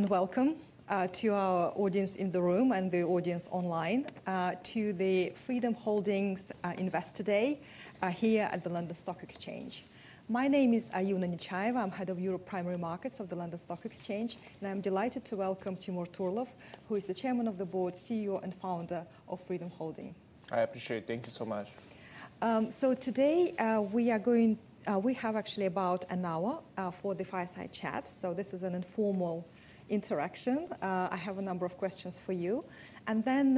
Welcome to our audience in the room and the audience online to the Freedom Holding Investor Day here at the London Stock Exchange. My name is Ayouna Nichayeva. I'm Head of Europe Primary Markets of the London Stock Exchange, and I'm delighted to welcome Timur Turlov, who is the Chairman of the Board, CEO, and founder of Freedom Holding. I appreciate it. Thank you so much. Today we are going—we have actually about an hour for the fireside chat. This is an informal interaction. I have a number of questions for you, and then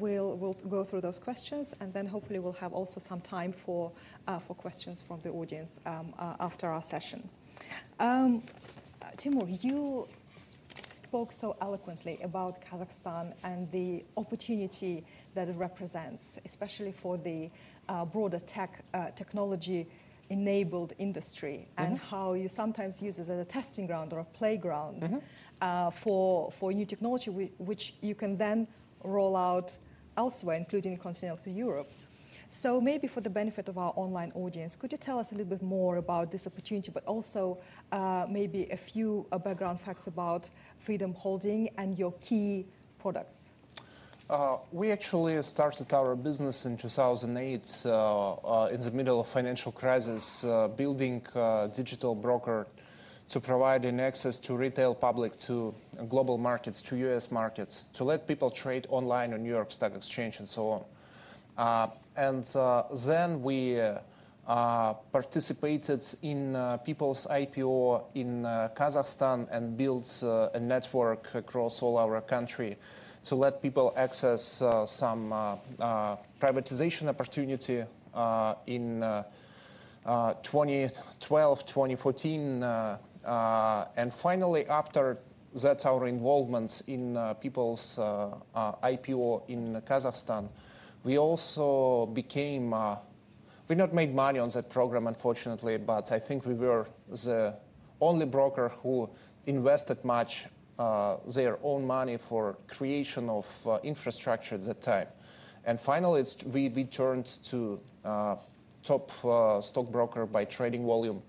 we'll go through those questions, and then hopefully we'll have also some time for questions from the audience after our session. Timur, you spoke so eloquently about Kazakhstan and the opportunity that it represents, especially for the broader technology-enabled industry, and how you sometimes use it as a testing ground or a playground for new technology, which you can then roll out elsewhere, including continental Europe. Maybe for the benefit of our online audience, could you tell us a little bit more about this opportunity, but also maybe a few background facts about Freedom Holding and your key products? We actually started our business in 2008 in the middle of a financial crisis, building a digital broker to provide access to the retail public, to global markets, to US markets, to let people trade online on New York Stock Exchange and so on. We participated in people's IPO in Kazakhstan and built a network across all our country to let people access some privatization opportunity in 2012, 2014. Finally, after that, our involvement in people's IPO in Kazakhstan, we also became—we did not make money on that program, unfortunately, but I think we were the only broker who invested much their own money for the creation of infrastructure at that time. Finally, we turned to top stock broker by trading volume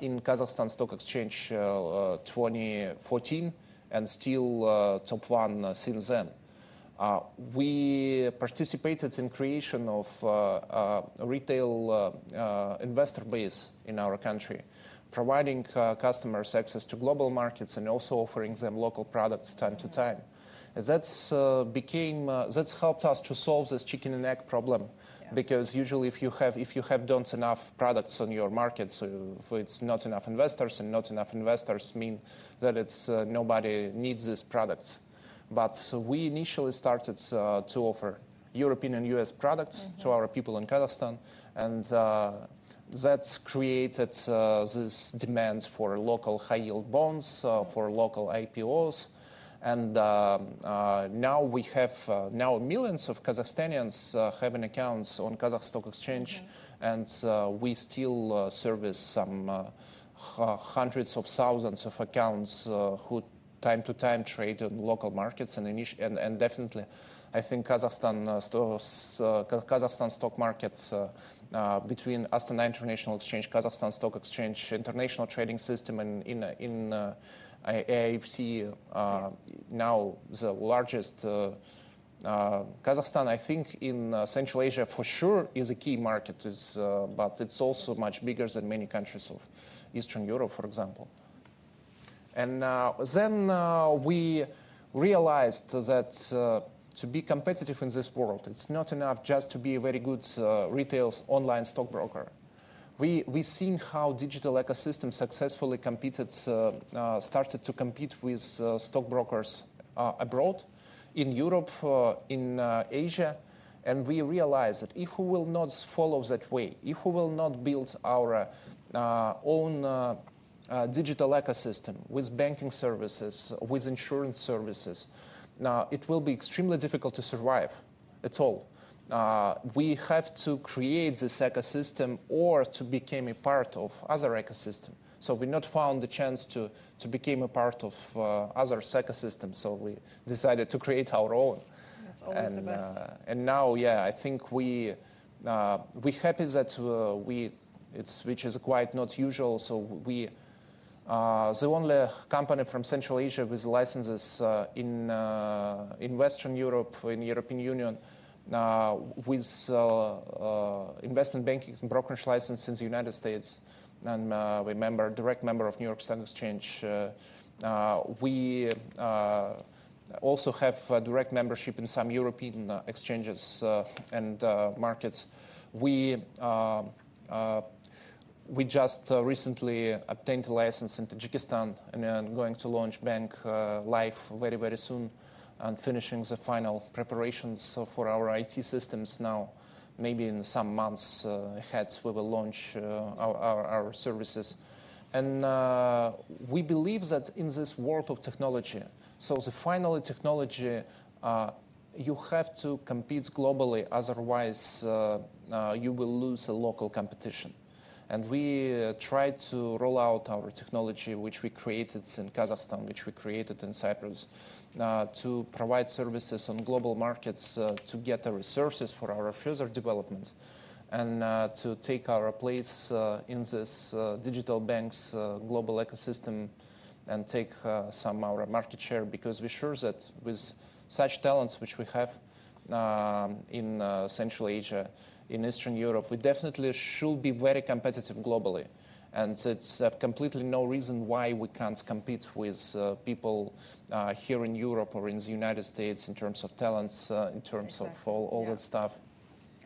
in Kazakhstan Stock Exchange 2014 and still top one since then. We participated in the creation of a retail investor base in our country, providing customers access to global markets and also offering them local products time to time. That has helped us to solve this chicken-and-egg problem because usually if you have not enough products on your market, it is not enough investors, and not enough investors mean that nobody needs these products. We initially started to offer European and US products to our people in Kazakhstan, and that created this demand for local high-yield bonds, for local IPOs. Now millions of Kazakhstanians have accounts on the Kazakhstan Stock Exchange, and we still service hundreds of thousands of accounts who time to time trade in local markets. Definitely, I think Kazakhstan stock markets between Astana International Exchange, Kazakhstan Stock Exchange, International Trading System, and AIFC, now the largest Kazakhstan, I think in Central Asia for sure is a key market, but it's also much bigger than many countries of Eastern Europe, for example. We realized that to be competitive in this world, it's not enough just to be a very good retail online stock broker. We've seen how the digital ecosystem successfully started to compete with stock brokers abroad, in Europe, in Asia, and we realized that if we will not follow that way, if we will not build our own digital ecosystem with banking services, with insurance services, it will be extremely difficult to survive at all. We have to create this ecosystem or to become a part of another ecosystem. We did not find the chance to become a part of another ecosystem, so we decided to create our own. That's always the best. Now, yeah, I think we're happy that we—which is quite not usual. We're the only company from Central Asia with licenses in Western Europe, in the European Union, with investment banking and brokerage licenses in the United States, and we're a direct member of the New York Stock Exchange. We also have a direct membership in some European exchanges and markets. We just recently obtained a license in Tajikistan and are going to launch Bank Life very, very soon, and finishing the final preparations for our IT systems now. Maybe in some months ahead, we will launch our services. We believe that in this world of technology, the final technology, you have to compete globally, otherwise you will lose the local competition. We tried to roll out our technology, which we created in Kazakhstan, which we created in Cyprus, to provide services on global markets, to get the resources for our further development, and to take our place in this digital bank's global ecosystem and take some of our market share because we're sure that with such talents which we have in Central Asia, in Eastern Europe, we definitely should be very competitive globally. There's completely no reason why we can't compete with people here in Europe or in the United States in terms of talents, in terms of all that stuff.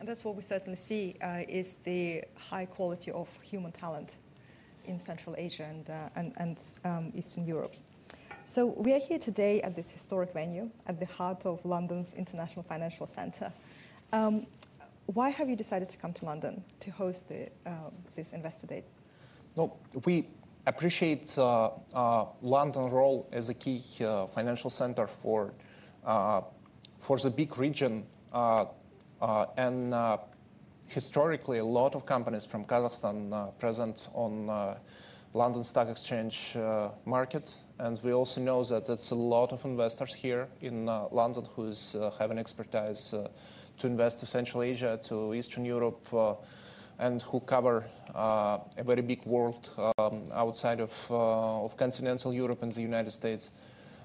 That's what we certainly see, is the high quality of human talent in Central Asia and Eastern Europe. We are here today at this historic venue at the heart of London's International Financial Centre. Why have you decided to come to London to host this investor day? We appreciate London's role as a key financial center for the big region, and historically, a lot of companies from Kazakhstan are present on the London Stock Exchange market. We also know that there are a lot of investors here in London who have an expertise to invest in Central Asia, to Eastern Europe, and who cover a very big world outside of continental Europe and the United States.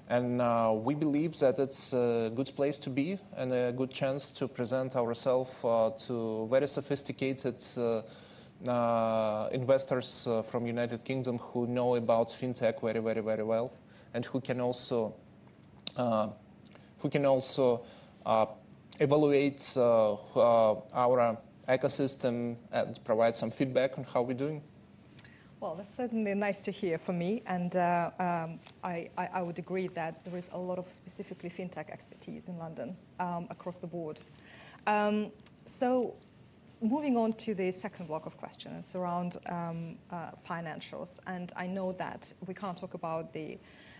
We believe that it's a good place to be and a good chance to present ourselves to very sophisticated investors from the United Kingdom who know about fintech very, very, very well and who can also evaluate our ecosystem and provide some feedback on how we're doing. That is certainly nice to hear for me, and I would agree that there is a lot of specifically fintech expertise in London across the board. Moving on to the second block of questions, it is around financials. I know that we cannot talk about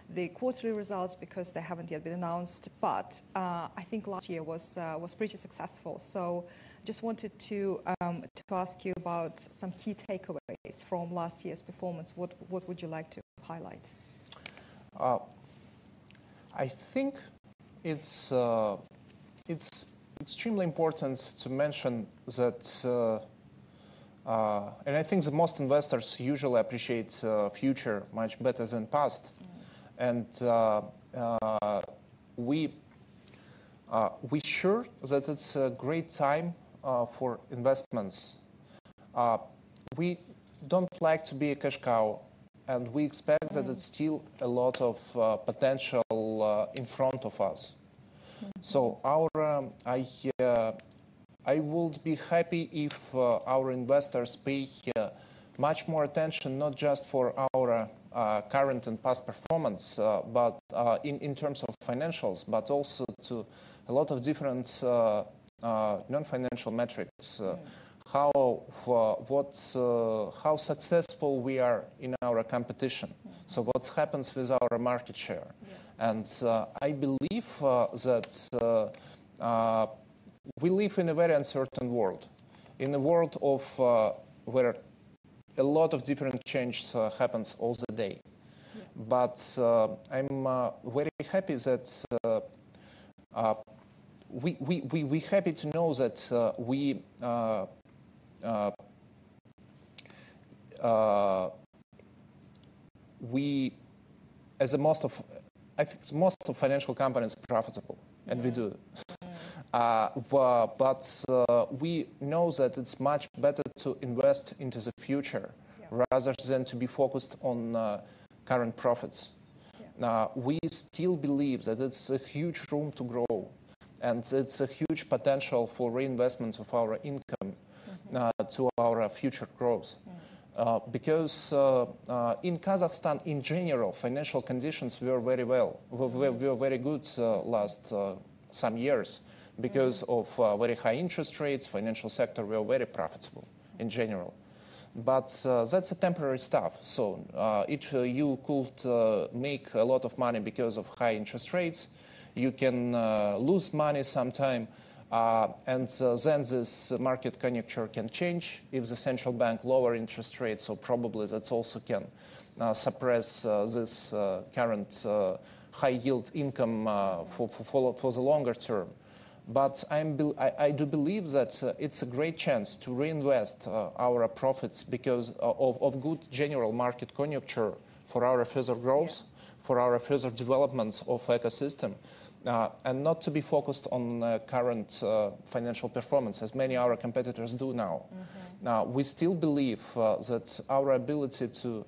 the quarterly results because they have not yet been announced, but I think last year was pretty successful. I just wanted to ask you about some key takeaways from last year's performance. What would you like to highlight? I think it's extremely important to mention that, and I think most investors usually appreciate the future much better than the past, and we're sure that it's a great time for investments. We don't like to be a cash cow, and we expect that there's still a lot of potential in front of us. I would be happy if our investors paid much more attention, not just for our current and past performance, in terms of financials, but also to a lot of different non-financial metrics, what's how successful we are in our competition, what happens with our market share. I believe that we live in a very uncertain world, in a world where a lot of different changes happen all the day. I'm very happy that we're happy to know that we, as most of financial companies, are profitable, and we do. We know that it's much better to invest into the future rather than to be focused on current profits. We still believe that it's a huge room to grow, and it's a huge potential for reinvestment of our income to our future growth. Because in Kazakhstan, in general, financial conditions were very well. We were very good last some years because of very high interest rates. The financial sector was very profitable in general. That's a temporary stuff. You could make a lot of money because of high interest rates. You can lose money sometime, and then this market conjecture can change if the central bank lowers interest rates. Probably that also can suppress this current high-yield income for the longer term. I do believe that it's a great chance to reinvest our profits because of good general market conjecture for our further growth, for our further development of the ecosystem, and not to be focused on current financial performance as many of our competitors do now. We still believe that our ability to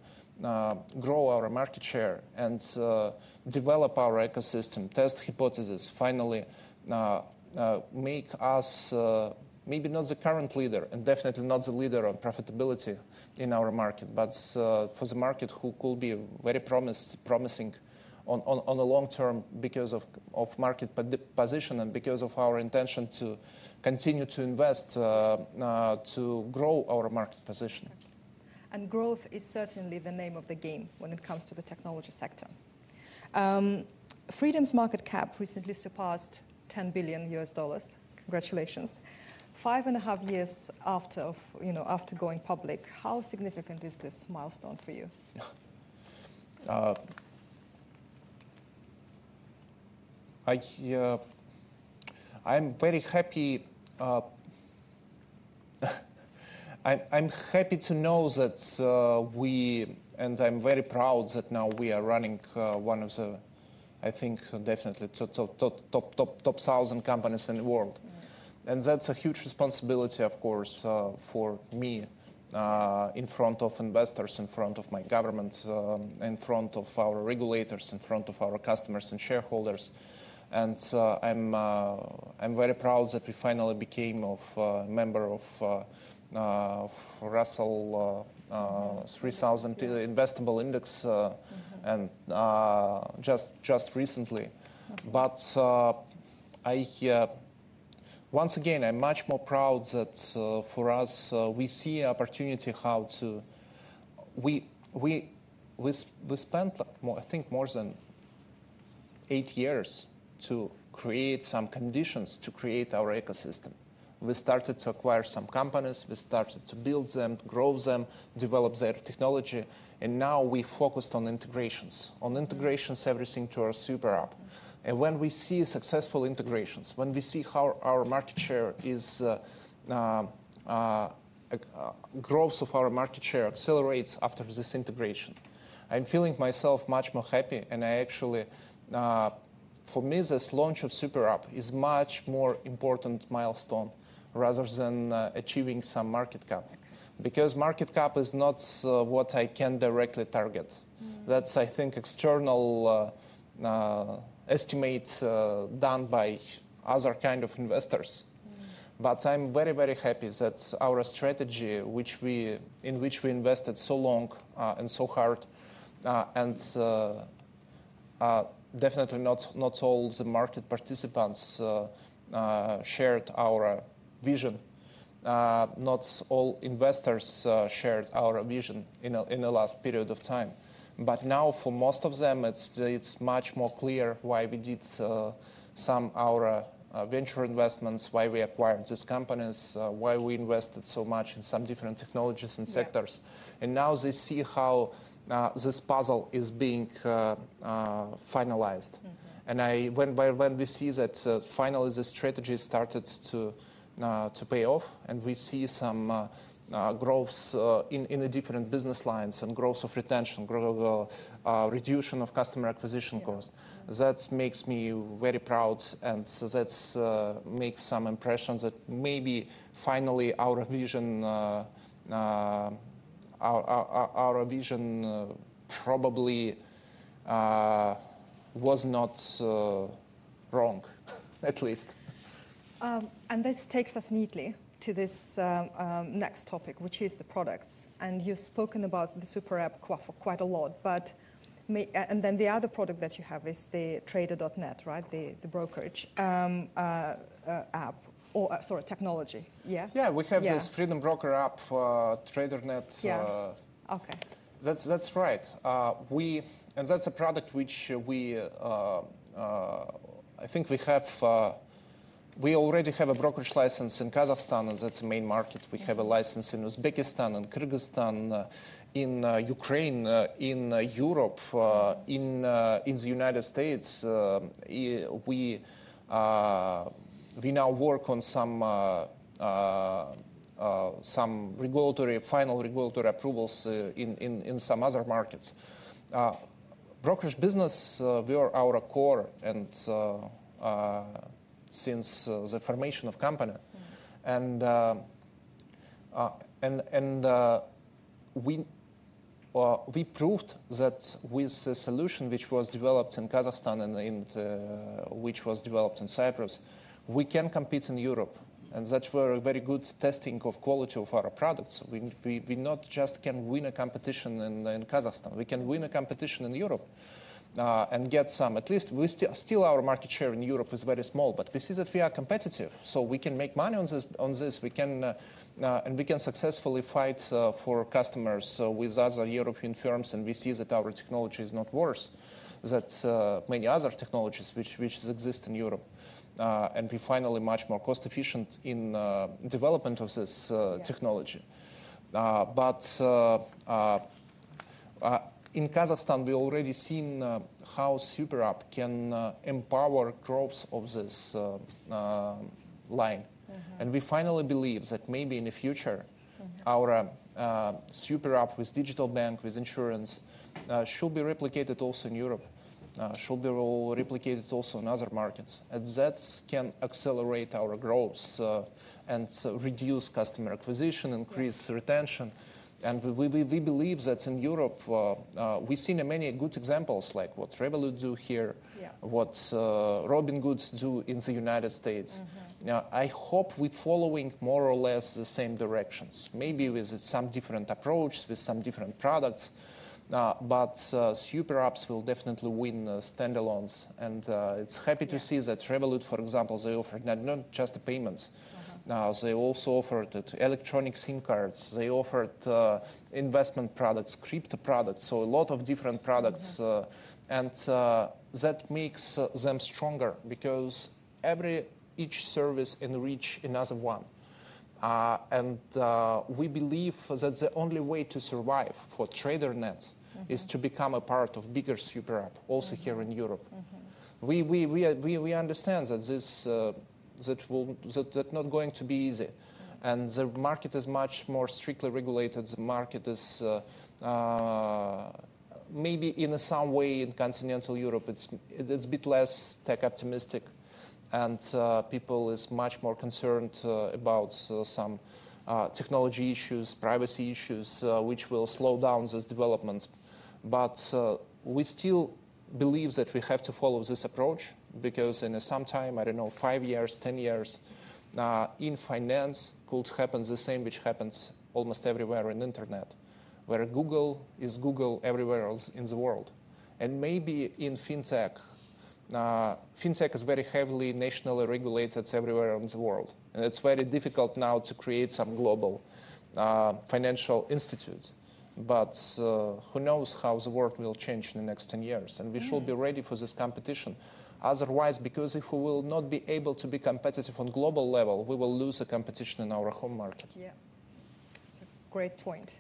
grow our market share and develop our ecosystem, test hypotheses, finally make us maybe not the current leader, and definitely not the leader on profitability in our market, but for the market who could be very promising on the long term because of market position and because of our intention to continue to invest, to grow our market position. Growth is certainly the name of the game when it comes to the technology sector. Freedom's market cap recently surpassed $10 billion. Congratulations. Five and a half years after going public, how significant is this milestone for you? I'm very happy. I'm happy to know that we, and I'm very proud that now we are running one of the, I think, definitely top 1,000 companies in the world. That's a huge responsibility, of course, for me in front of investors, in front of my government, in front of our regulators, in front of our customers and shareholders. I'm very proud that we finally became a member of Russell 3000 Investable Index just recently. Once again, I'm much more proud that for us, we see opportunity how to, we spent, I think, more than eight years to create some conditions to create our ecosystem. We started to acquire some companies. We started to build them, grow them, develop their technology. Now we focused on integrations, on integrating everything to our super app. When we see successful integrations, when we see how our market share is growth of our market share accelerates after this integration, I'm feeling myself much more happy. Actually, for me, this launch of super app is a much more important milestone rather than achieving some market cap because market cap is not what I can directly target. That's, I think, external estimates done by other kinds of investors. I'm very, very happy that our strategy, in which we invested so long and so hard, and definitely not all the market participants shared our vision, not all investors shared our vision in the last period of time. Now for most of them, it's much more clear why we did some of our venture investments, why we acquired these companies, why we invested so much in some different technologies and sectors. They see how this puzzle is being finalized. When we see that finally the strategy started to pay off, and we see some growth in the different business lines and growth of retention, reduction of customer acquisition costs, that makes me very proud. That makes some impression that maybe finally our vision probably was not wrong, at least. This takes us neatly to this next topic, which is the products. You have spoken about the super app for quite a lot. The other product that you have is Trader.net, right, the brokerage app or, sorry, technology, yeah? Yeah, we have this Freedom Broker app, Trader.net. Yeah. Okay. That's right. And that's a product which I think we have, we already have a brokerage license in Kazakhstan, and that's the main market. We have a license in Uzbekistan and Kyrgyzstan, in Ukraine, in Europe, in the United States. We now work on some final regulatory approvals in some other markets. Brokerage business, we are our core since the formation of the company. And we proved that with the solution which was developed in Kazakhstan, which was developed in Cyprus, we can compete in Europe. And that's a very good testing of quality of our products. We not just can win a competition in Kazakhstan. We can win a competition in Europe and get some, at least we still our market share in Europe is very small, but we see that we are competitive. So we can make money on this. We can successfully fight for customers with other European firms. We see that our technology is not worse than many other technologies which exist in Europe. We are finally much more cost-efficient in development of this technology. In Kazakhstan, we've already seen how super app can empower growth of this line. We finally believe that maybe in the future, our super app with digital bank, with insurance, should be replicated also in Europe, should be replicated also in other markets. That can accelerate our growth and reduce customer acquisition, increase retention. We believe that in Europe, we've seen many good examples like what Revolut do here, what Robinhood do in the United States. I hope we're following more or less the same directions, maybe with some different approaches, with some different products. Super apps will definitely win standalones. It is happy to see that Revolut, for example, they offer not just payments. They also offered electronic SIM cards. They offered investment products, crypto products, so a lot of different products. That makes them stronger because each service enriches another one. We believe that the only way to survive for Trader.net is to become a part of a bigger super app, also here in Europe. We understand that is not going to be easy. The market is much more strictly regulated. The market is maybe in some way in continental Europe, it is a bit less tech optimistic. People are much more concerned about some technology issues, privacy issues, which will slow down this development. We still believe that we have to follow this approach because in some time, I don't know, five years, 10 years, in finance could happen the same which happens almost everywhere on the internet, where Google is Google everywhere else in the world. Maybe in fintech, fintech is very heavily nationally regulated everywhere in the world. It's very difficult now to create some global financial institute. Who knows how the world will change in the next 10 years. We should be ready for this competition. Otherwise, if we will not be able to be competitive on a global level, we will lose the competition in our home market. Yeah. That's a great point.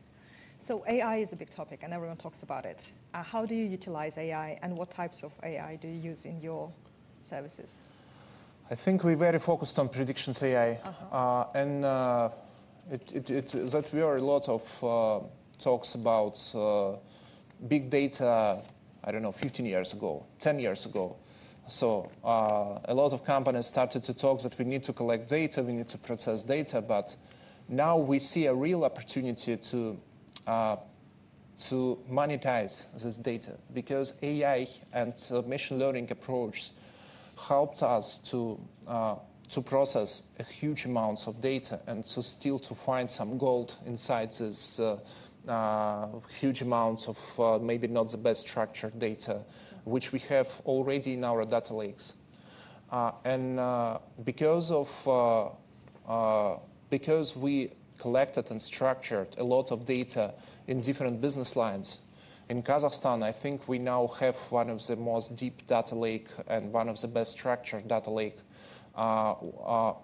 AI is a big topic, and everyone talks about it. How do you utilize AI, and what types of AI do you use in your services? I think we're very focused on predictions AI. There were a lot of talks about big data, I don't know, 15 years ago, 10 years ago. A lot of companies started to talk that we need to collect data. We need to process data. Now we see a real opportunity to monetize this data because AI and machine learning approach helped us to process a huge amount of data and still to find some gold inside this huge amount of maybe not the best structured data, which we have already in our data lakes. Because we collected and structured a lot of data in different business lines, in Kazakhstan, I think we now have one of the most deep data lakes and one of the best structured data lakes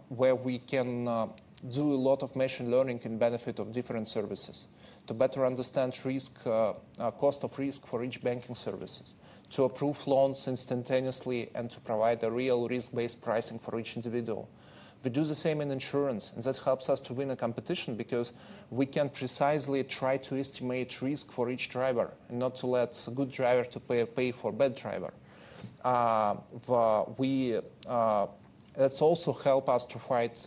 where we can do a lot of machine learning in benefit of different services to better understand risk, cost of risk for each banking service, to approve loans instantaneously, and to provide a real risk-based pricing for each individual. We do the same in insurance. That helps us to win a competition because we can precisely try to estimate risk for each driver and not let a good driver pay for a bad driver. That also helped us to fight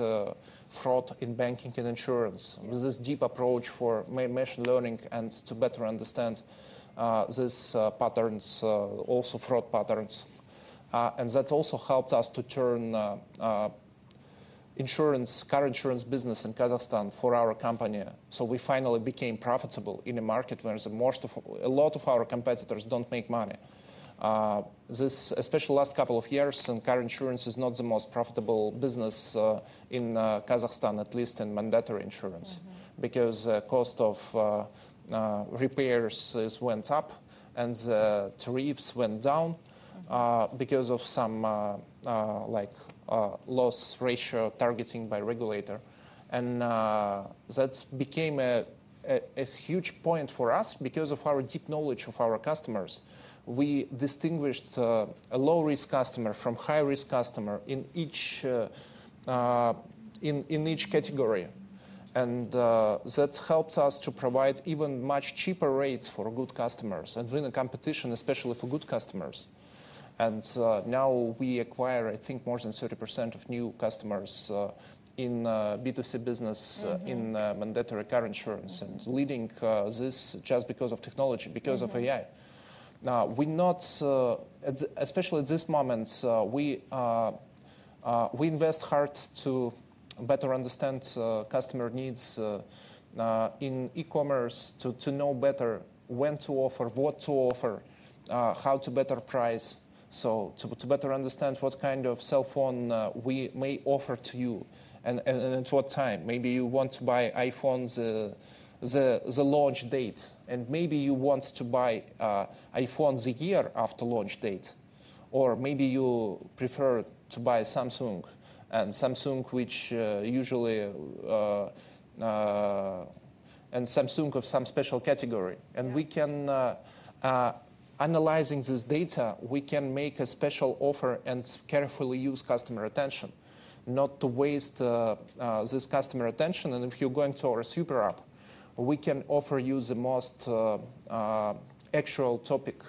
fraud in banking and insurance with this deep approach for machine learning and to better understand these patterns, also fraud patterns. That also helped us to turn insurance, car insurance business in Kazakhstan for our company. We finally became profitable in a market where a lot of our competitors do not make money. Especially the last couple of years, car insurance is not the most profitable business in Kazakhstan, at least in mandatory insurance, because the cost of repairs went up and the tariffs went down because of some loss ratio targeting by regulator. That became a huge point for us because of our deep knowledge of our customers. We distinguished a low-risk customer from a high-risk customer in each category. That helped us to provide even much cheaper rates for good customers and win a competition, especially for good customers. Now we acquire, I think, more than 30% of new customers in B2C business in mandatory car insurance and leading this just because of technology, because of AI. Especially at this moment, we invest hard to better understand customer needs in e-commerce to know better when to offer, what to offer, how to better price, so to better understand what kind of cell phone we may offer to you and at what time. Maybe you want to buy iPhones the launch date. Maybe you want to buy iPhones a year after launch date. Or maybe you prefer to buy Samsung, Samsung of some special category. Analyzing this data, we can make a special offer and carefully use customer retention, not to waste this customer retention. If you're going to our super app, we can offer you the most actual topic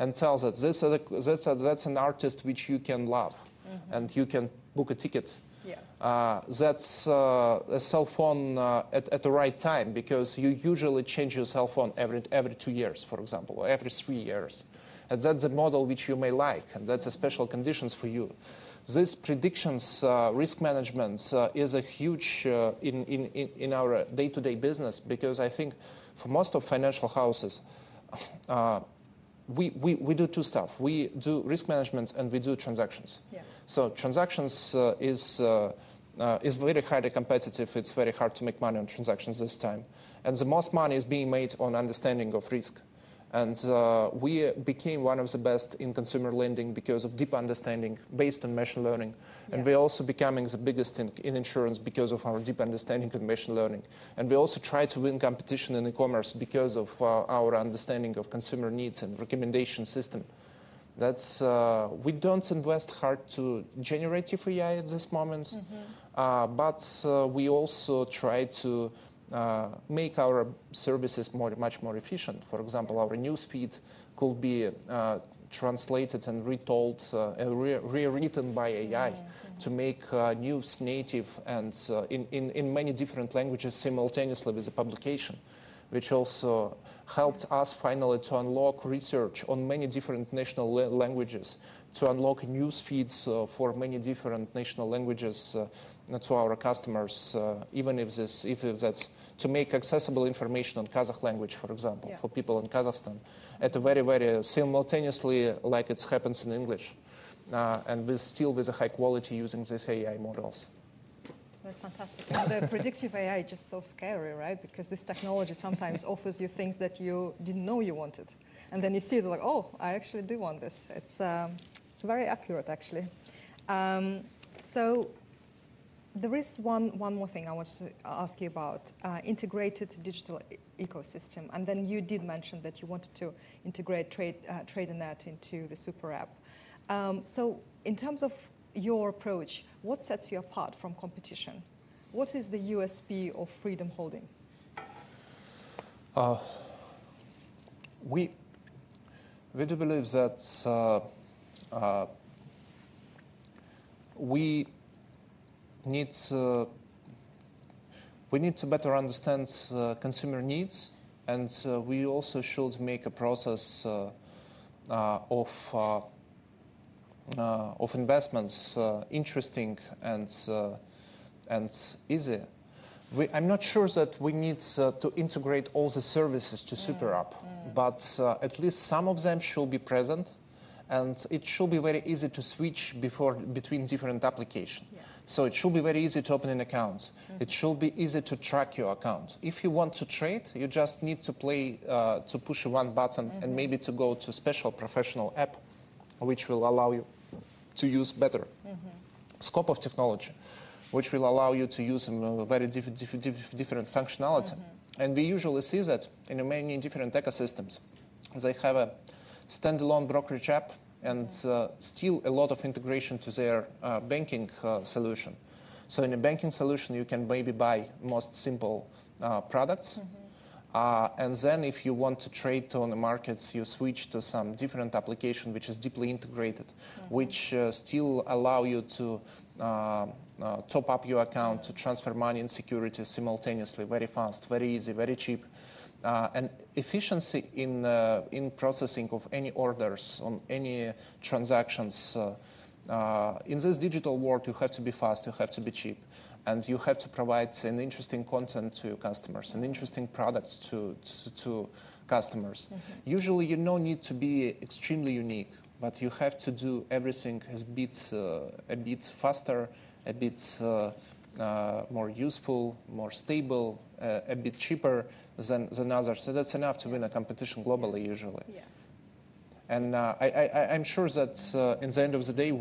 and tell that this is an artist which you can love, and you can book a ticket. That's a cell phone at the right time because you usually change your cell phone every two years, for example, or every three years. That's a model which you may like. That's a special condition for you. This predictions risk management is huge in our day-to-day business because I think for most of financial houses, we do two stuff. We do risk management, and we do transactions. Transactions is very highly competitive. It's very hard to make money on transactions this time. The most money is being made on understanding of risk. We became one of the best in consumer lending because of deep understanding based on machine learning. We're also becoming the biggest thing in insurance because of our deep understanding of machine learning. We also try to win competition in e-commerce because of our understanding of consumer needs and recommendation system. We don't invest hard to generative AI at this moment. We also try to make our services much more efficient. For example, our news feed could be translated and retold, rewritten by AI to make news native and in many different languages simultaneously with the publication, which also helped us finally to unlock research on many different national languages, to unlock news feeds for many different national languages to our customers, even if that's to make accessible information in Kazakh language, for example, for people in Kazakhstan at a very, very simultaneously like it happens in English. Still with a high quality using these AI models. That's fantastic. The predictive AI is just so scary, right? Because this technology sometimes offers you things that you didn't know you wanted. And then you see it like, oh, I actually do want this. It's very accurate, actually. There is one more thing I wanted to ask you about, integrated digital ecosystem. You did mention that you wanted to integrate Trader.net into the super app. In terms of your approach, what sets you apart from competition? What is the USP of Freedom Holding? We do believe that we need to better understand consumer needs. We also should make a process of investments interesting and easy. I'm not sure that we need to integrate all the services to SuperApp, but at least some of them should be present. It should be very easy to switch between different applications. It should be very easy to open an account. It should be easy to track your account. If you want to trade, you just need to push one button and maybe go to a special professional app, which will allow you to use better scope of technology, which will allow you to use very different functionality. We usually see that in many different ecosystems. They have a standalone brokerage app and still a lot of integration to their banking solution. In a banking solution, you can maybe buy most simple products. Then if you want to trade on the markets, you switch to some different application, which is deeply integrated, which still allows you to top up your account, to transfer money and security simultaneously, very fast, very easy, very cheap. Efficiency in processing of any orders on any transactions. In this digital world, you have to be fast. You have to be cheap. You have to provide an interesting content to your customers, an interesting product to customers. Usually, you do not need to be extremely unique. You have to do everything a bit faster, a bit more useful, more stable, a bit cheaper than others. That is enough to win a competition globally, usually. I'm sure that in the end of the day,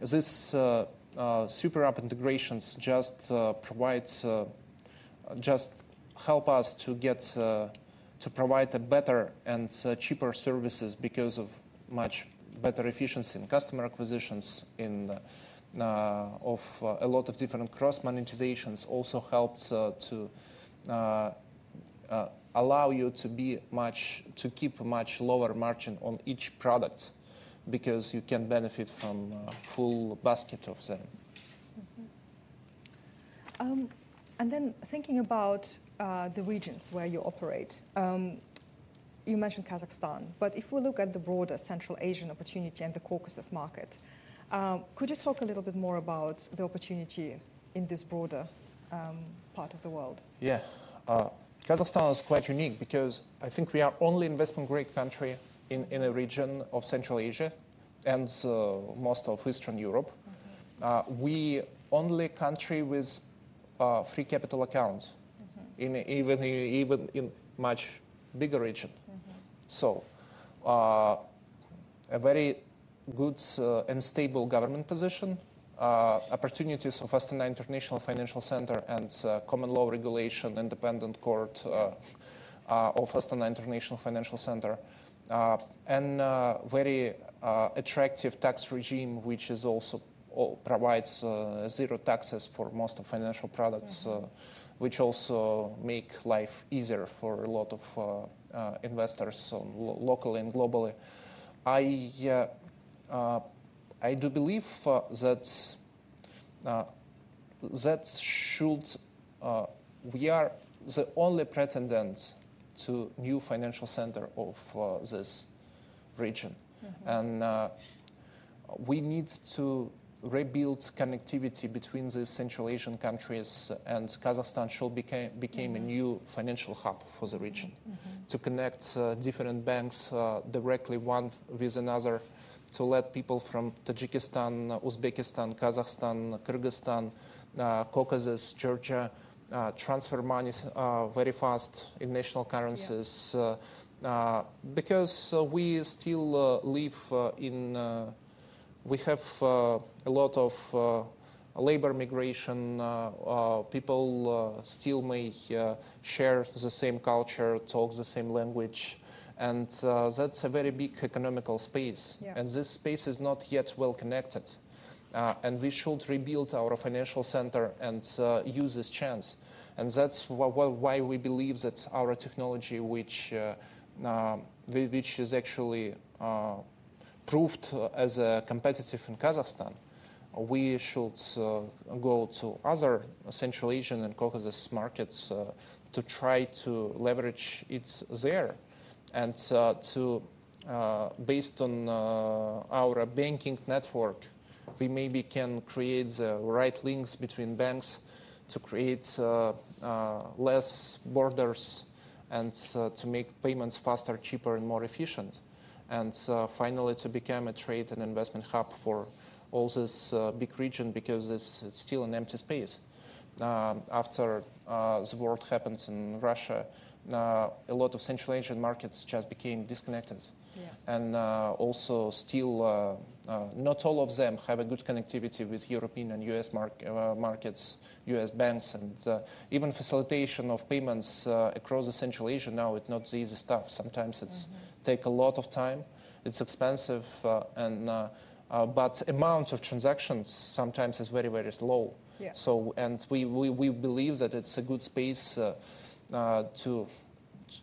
this super app integrations just help us to provide better and cheaper services because of much better efficiency in customer acquisitions of a lot of different cross-monetizations also helps to allow you to keep a much lower margin on each product because you can benefit from a full basket of them. Thinking about the regions where you operate, you mentioned Kazakhstan. If we look at the broader Central Asian opportunity and the Caucasus market, could you talk a little bit more about the opportunity in this broader part of the world? Yeah. Kazakhstan is quite unique because I think we are the only investment-grade country in a region of Central Asia and most of Eastern Europe. We are the only country with free capital accounts even in a much bigger region. A very good and stable government position, opportunities of Astana International Financial Centre and common law regulation, independent court of Astana International Financial Centre, and a very attractive tax regime, which also provides zero taxes for most of financial products, which also makes life easier for a lot of investors locally and globally. I do believe that we are the only pretendant to a new financial center of this region. We need to rebuild connectivity between the Central Asian countries. Kazakhstan became a new financial hub for the region to connect different banks directly one with another to let people from Tajikistan, Uzbekistan, Kazakhstan, Kyrgyzstan, Caucasus, Georgia transfer money very fast in national currencies because we still live in a lot of labor migration. People still may share the same culture, talk the same language. That is a very big economical space. This space is not yet well connected. We should rebuild our financial center and use this chance. That is why we believe that our technology, which is actually proved as competitive in Kazakhstan, we should go to other Central Asian and Caucasus markets to try to leverage it there. Based on our banking network, we maybe can create the right links between banks to create less borders and to make payments faster, cheaper, and more efficient. Finally, to become a trade and investment hub for all this big region because it's still an empty space. After the war happened in Russia, a lot of Central Asian markets just became disconnected. Also, still, not all of them have a good connectivity with European and U.S. markets, U.S. banks. Even facilitation of payments across Central Asia now is not the easy stuff. Sometimes it takes a lot of time. It's expensive. The amount of transactions sometimes is very, very low. We believe that it's a good space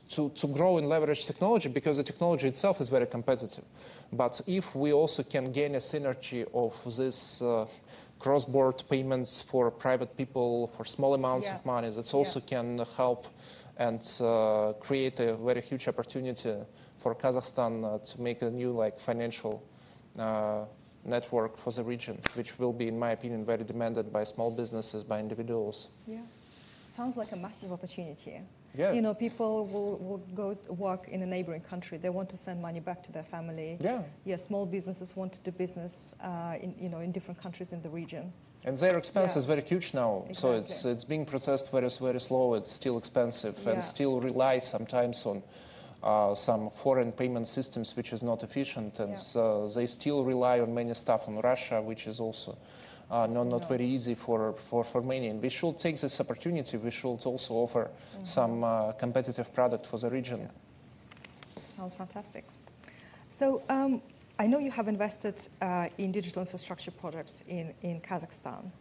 to grow and leverage technology because the technology itself is very competitive. If we also can gain a synergy of these cross-border payments for private people, for small amounts of money, that also can help and create a very huge opportunity for Kazakhstan to make a new financial network for the region, which will be, in my opinion, very demanded by small businesses, by individuals. Yeah. Sounds like a massive opportunity. People will go work in a neighboring country. They want to send money back to their family. Yeah. Yeah, small businesses want to do business in different countries in the region. Their expense is very huge now. It is being processed very, very slow. It is still expensive and still relies sometimes on some foreign payment systems, which is not efficient. They still rely on many stuff from Russia, which is also not very easy for many. We should take this opportunity. We should also offer some competitive product for the region. Sounds fantastic. I know you have invested in digital infrastructure products in Kazakhstan.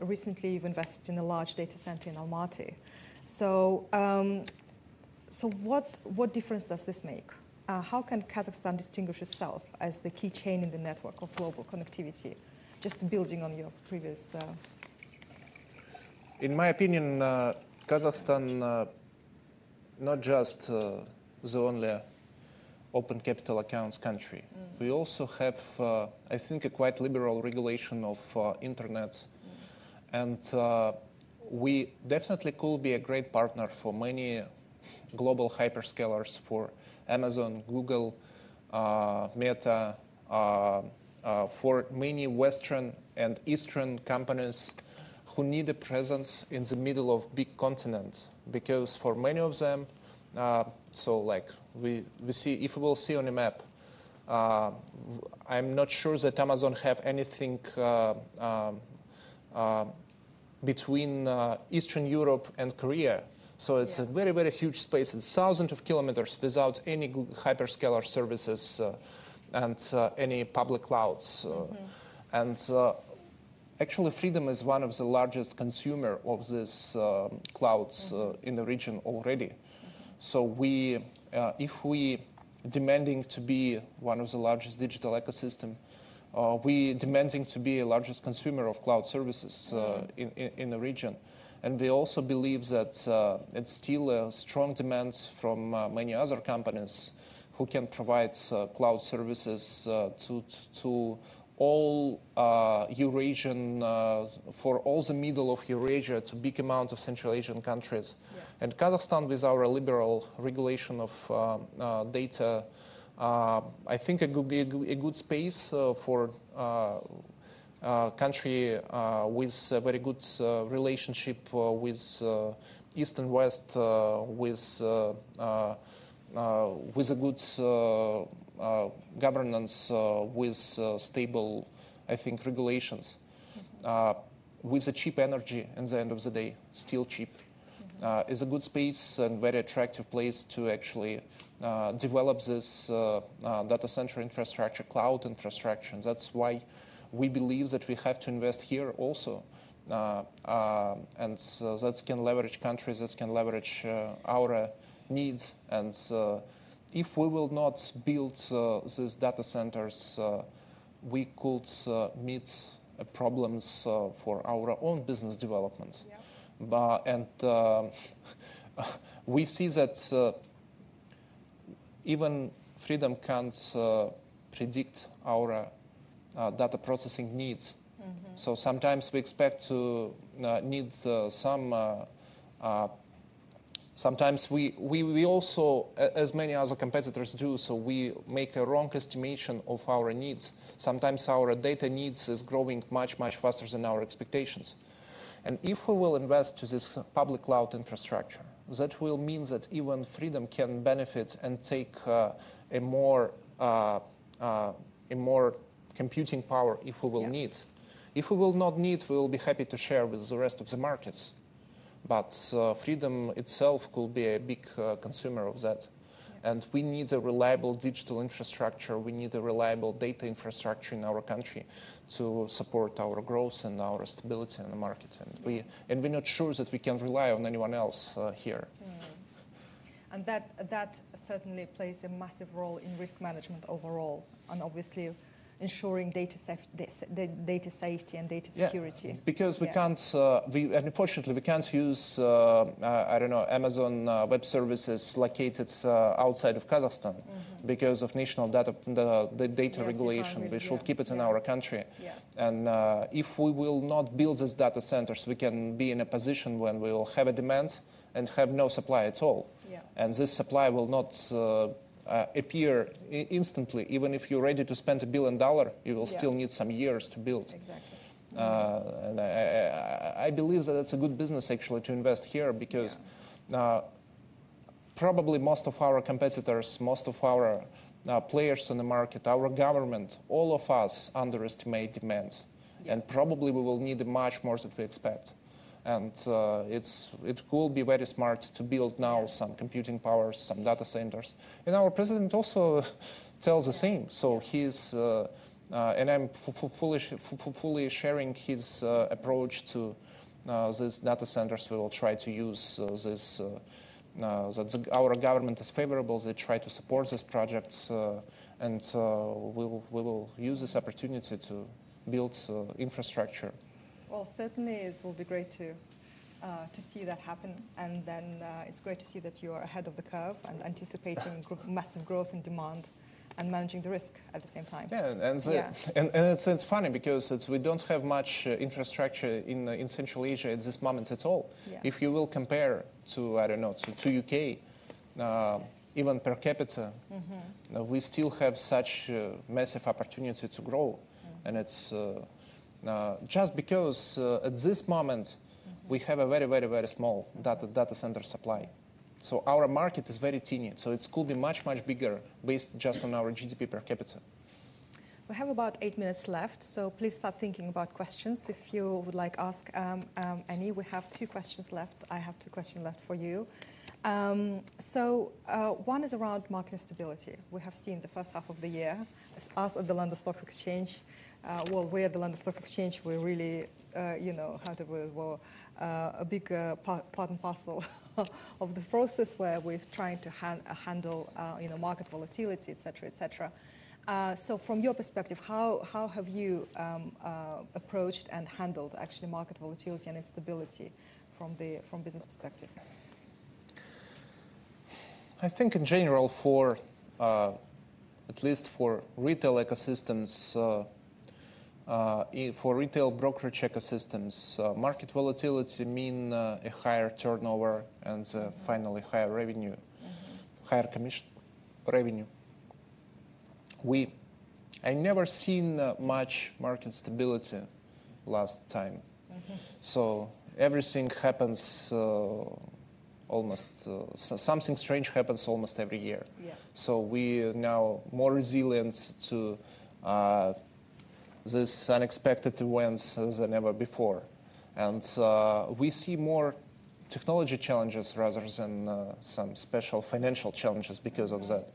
Recently, you've invested in a large data center in Almaty. What difference does this make? How can Kazakhstan distinguish itself as the key chain in the network of global connectivity, just building on your previous? In my opinion, Kazakhstan is not just the only open capital accounts country. We also have, I think, a quite liberal regulation of internet. We definitely could be a great partner for many global hyperscalers, for Amazon, Google, Meta, for many Western and Eastern companies who need a presence in the middle of a big continent. Because for many of them, if we will see on a map, I'm not sure that Amazon has anything between Eastern Europe and Korea. It is a very, very huge space. It is thousands of kilometers without any hyperscaler services and any public clouds. Actually, Freedom is one of the largest consumers of these clouds in the region already. If we are demanding to be one of the largest digital ecosystems, we are demanding to be the largest consumer of cloud services in the region. We also believe that it's still a strong demand from many other companies who can provide cloud services to all Eurasian, for all the middle of Eurasia, to big amounts of Central Asian countries. Kazakhstan, with our liberal regulation of data, I think it could be a good space for a country with a very good relationship with East and West, with a good governance, with stable, I think, regulations, with cheap energy. In the end of the day, still cheap. It's a good space and a very attractive place to actually develop this data center infrastructure, cloud infrastructure. That's why we believe that we have to invest here also. That's going to leverage countries that can leverage our needs. If we will not build these data centers, we could meet problems for our own business development. We see that even Freedom can't predict our data processing needs. Sometimes we expect to need some, sometimes we also, as many other competitors do, make a wrong estimation of our needs. Sometimes our data needs are growing much, much faster than our expectations. If we invest in this public cloud infrastructure, that will mean that even Freedom can benefit and take more computing power if we need. If we do not need, we will be happy to share with the rest of the markets. Freedom itself could be a big consumer of that. We need a reliable digital infrastructure. We need a reliable data infrastructure in our country to support our growth and our stability in the market. We are not sure that we can rely on anyone else here. That certainly plays a massive role in risk management overall and obviously ensuring data safety and data security. Yeah. Because we can't, unfortunately, we can't use, I don't know, Amazon Web Services located outside of Kazakhstan because of national data regulation. We should keep it in our country. If we will not build these data centers, we can be in a position when we will have a demand and have no supply at all. This supply will not appear instantly. Even if you're ready to spend $1 billion, you will still need some years to build. I believe that it's a good business, actually, to invest here because probably most of our competitors, most of our players in the market, our government, all of us underestimate demand. Probably we will need much more than we expect. It could be very smart to build now some computing powers, some data centers. Our president also tells the same. I am fully sharing his approach to these data centers. We will try to use this. Our government is favorable. They try to support these projects. We will use this opportunity to build infrastructure. Certainly, it will be great to see that happen. Then it is great to see that you are ahead of the curve and anticipating massive growth and demand and managing the risk at the same time. Yeah. It is funny because we do not have much infrastructure in Central Asia at this moment at all. If you compare to, I do not know, to the U.K., even per capita, we still have such a massive opportunity to grow. It is just because at this moment, we have a very, very, very small data center supply. Our market is very tiny. It could be much, much bigger based just on our GDP per capita. We have about eight minutes left. Please start thinking about questions if you would like to ask any. We have two questions left. I have two questions left for you. One is around market stability. We have seen the first half of the year, as us at the London Stock Exchange, well, we at the London Stock Exchange, we are really, how do we, a big part and parcel of the process where we are trying to handle market volatility, et cetera, et cetera. From your perspective, how have you approached and handled, actually, market volatility and instability from a business perspective? I think in general, at least for retail ecosystems, for retail brokerage ecosystems, market volatility means a higher turnover and finally higher revenue, higher commission revenue. I never seen much market stability last time. Everything happens, almost something strange happens almost every year. We are now more resilient to these unexpected events than ever before. We see more technology challenges rather than some special financial challenges because of that.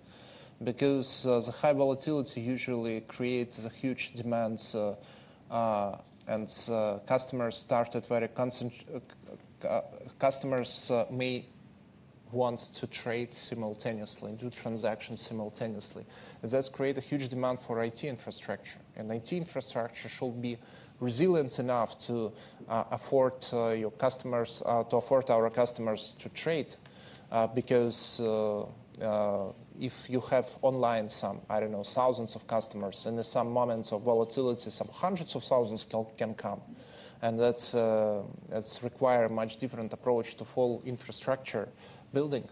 The high volatility usually creates a huge demand. Customers started, customers may want to trade simultaneously, do transactions simultaneously. That creates a huge demand for IT infrastructure. IT infrastructure should be resilient enough to afford your customers, to afford our customers to trade. If you have online, I do not know, thousands of customers, and at some moments of volatility, some hundreds of thousands can come. That's requiring a much different approach to full infrastructure building,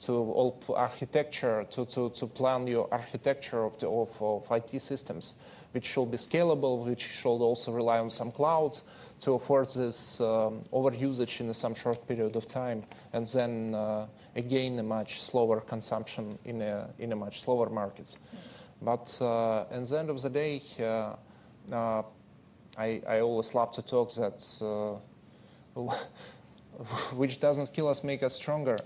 to all architecture, to plan your architecture of IT systems, which should be scalable, which should also rely on some clouds to afford this overusage in some short period of time. Then again, a much slower consumption in a much slower market. At the end of the day, I always love to talk that which doesn't kill us makes us stronger.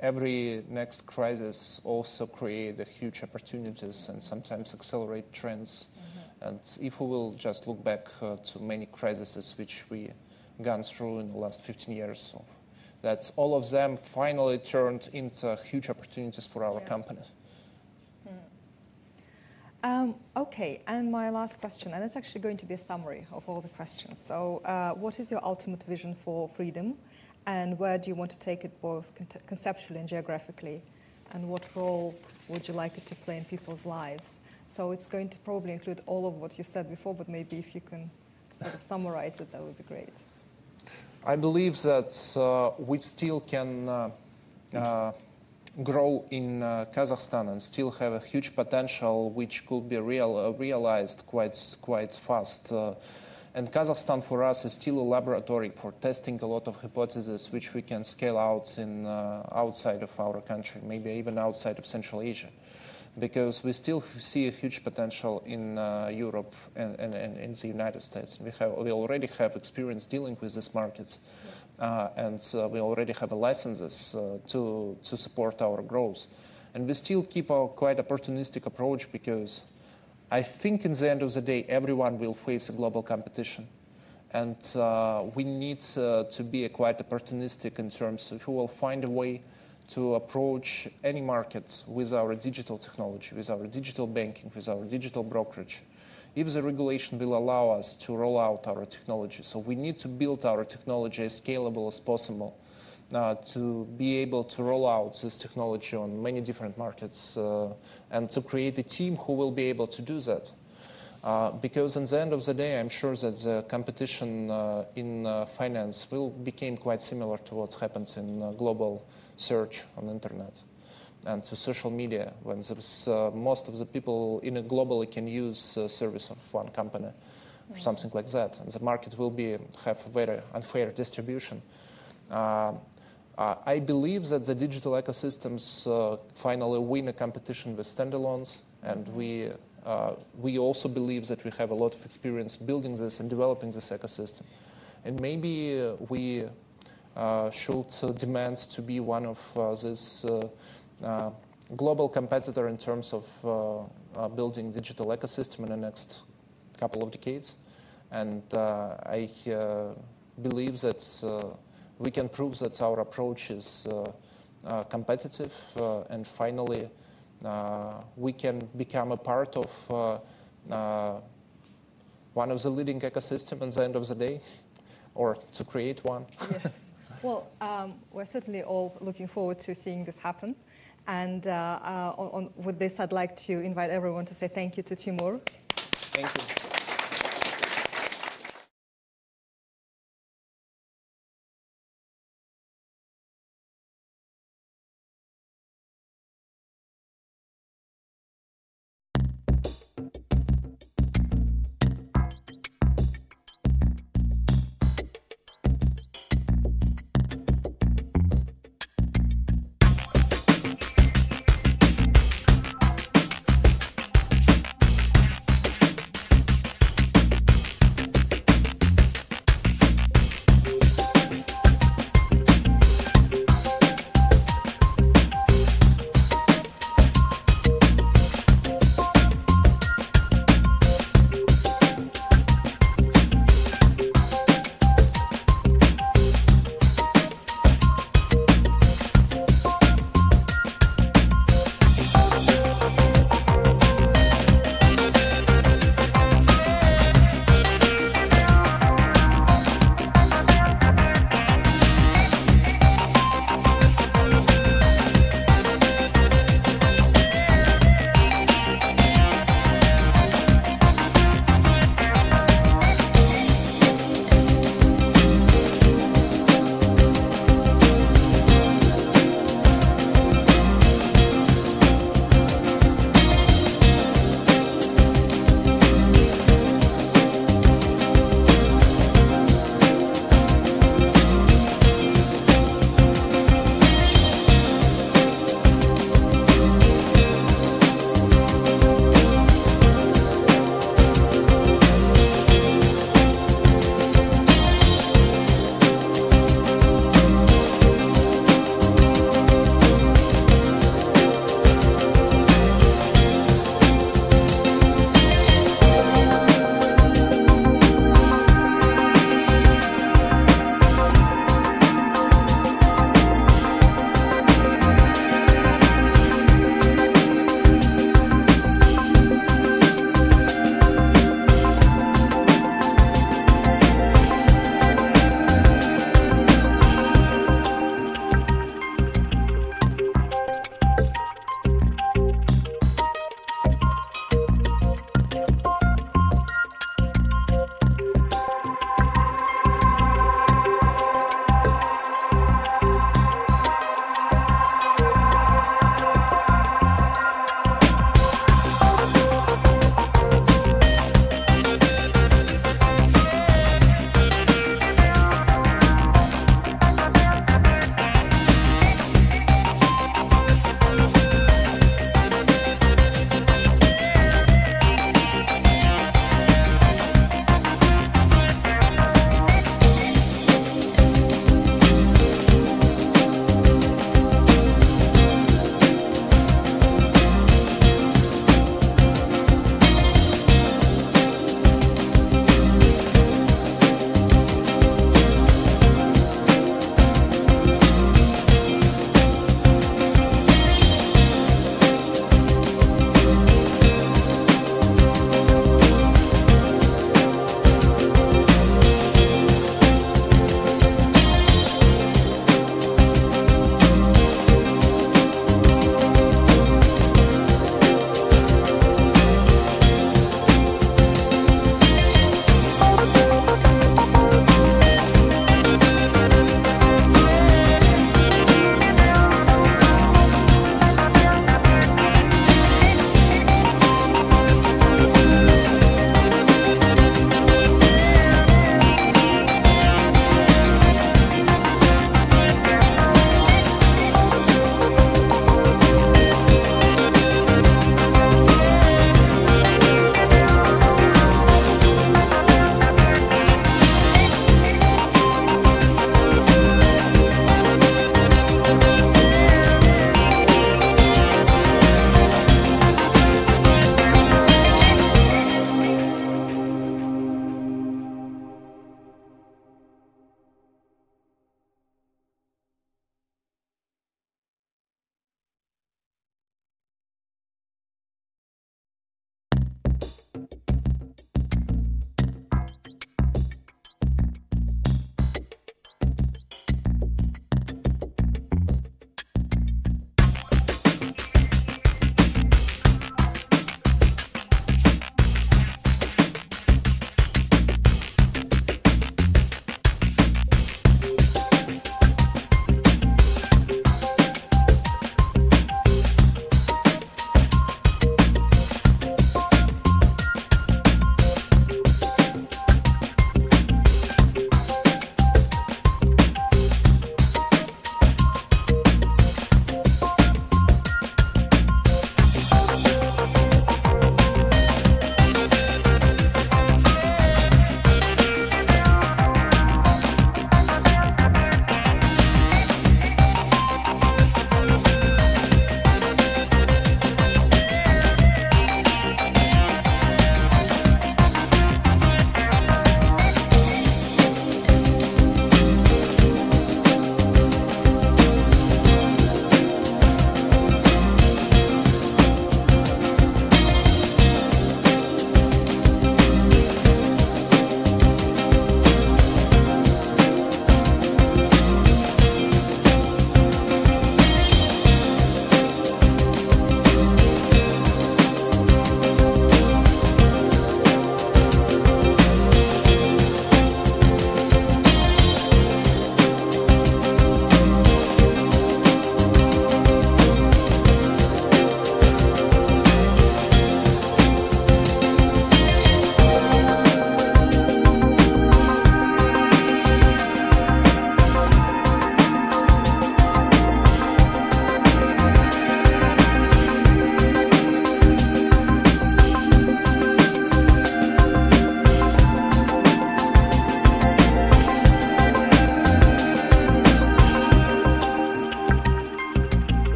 Every next crisis also creates huge opportunities and sometimes accelerates trends. If we will just look back to many crises which we've gone through in the last 15 years, all of them finally turned into huge opportunities for our company. OK. My last question. It's actually going to be a summary of all the questions. What is your ultimate vision for Freedom? Where do you want to take it both conceptually and geographically? What role would you like it to play in people's lives? It's going to probably include all of what you've said before. Maybe if you can sort of summarize it, that would be great. I believe that we still can grow in Kazakhstan and still have a huge potential, which could be realized quite fast. Kazakhstan for us is still a laboratory for testing a lot of hypotheses, which we can scale outside of our country, maybe even outside of Central Asia. We still see a huge potential in Europe and in the United States. We already have experience dealing with these markets. We already have licenses to support our growth. We still keep a quite opportunistic approach because I think at the end of the day, everyone will face global competition. We need to be quite opportunistic in terms of if we will find a way to approach any market with our digital technology, with our digital banking, with our digital brokerage, if the regulation will allow us to roll out our technology. We need to build our technology as scalable as possible to be able to roll out this technology on many different markets and to create a team who will be able to do that. Because at the end of the day, I'm sure that the competition in finance will become quite similar to what happens in global search on the internet and to social media when most of the people globally can use the service of one company or something like that. The market will have a very unfair distribution. I believe that the digital ecosystems finally win a competition with standalones. We also believe that we have a lot of experience building this and developing this ecosystem. Maybe we should demand to be one of this global competitor in terms of building a digital ecosystem in the next couple of decades. I believe that we can prove that our approach is competitive. Finally, we can become a part of one of the leading ecosystems at the end of the day or to create one. Yes. We are certainly all looking forward to seeing this happen. With this, I'd like to invite everyone to say thank you to Timur. Thank you.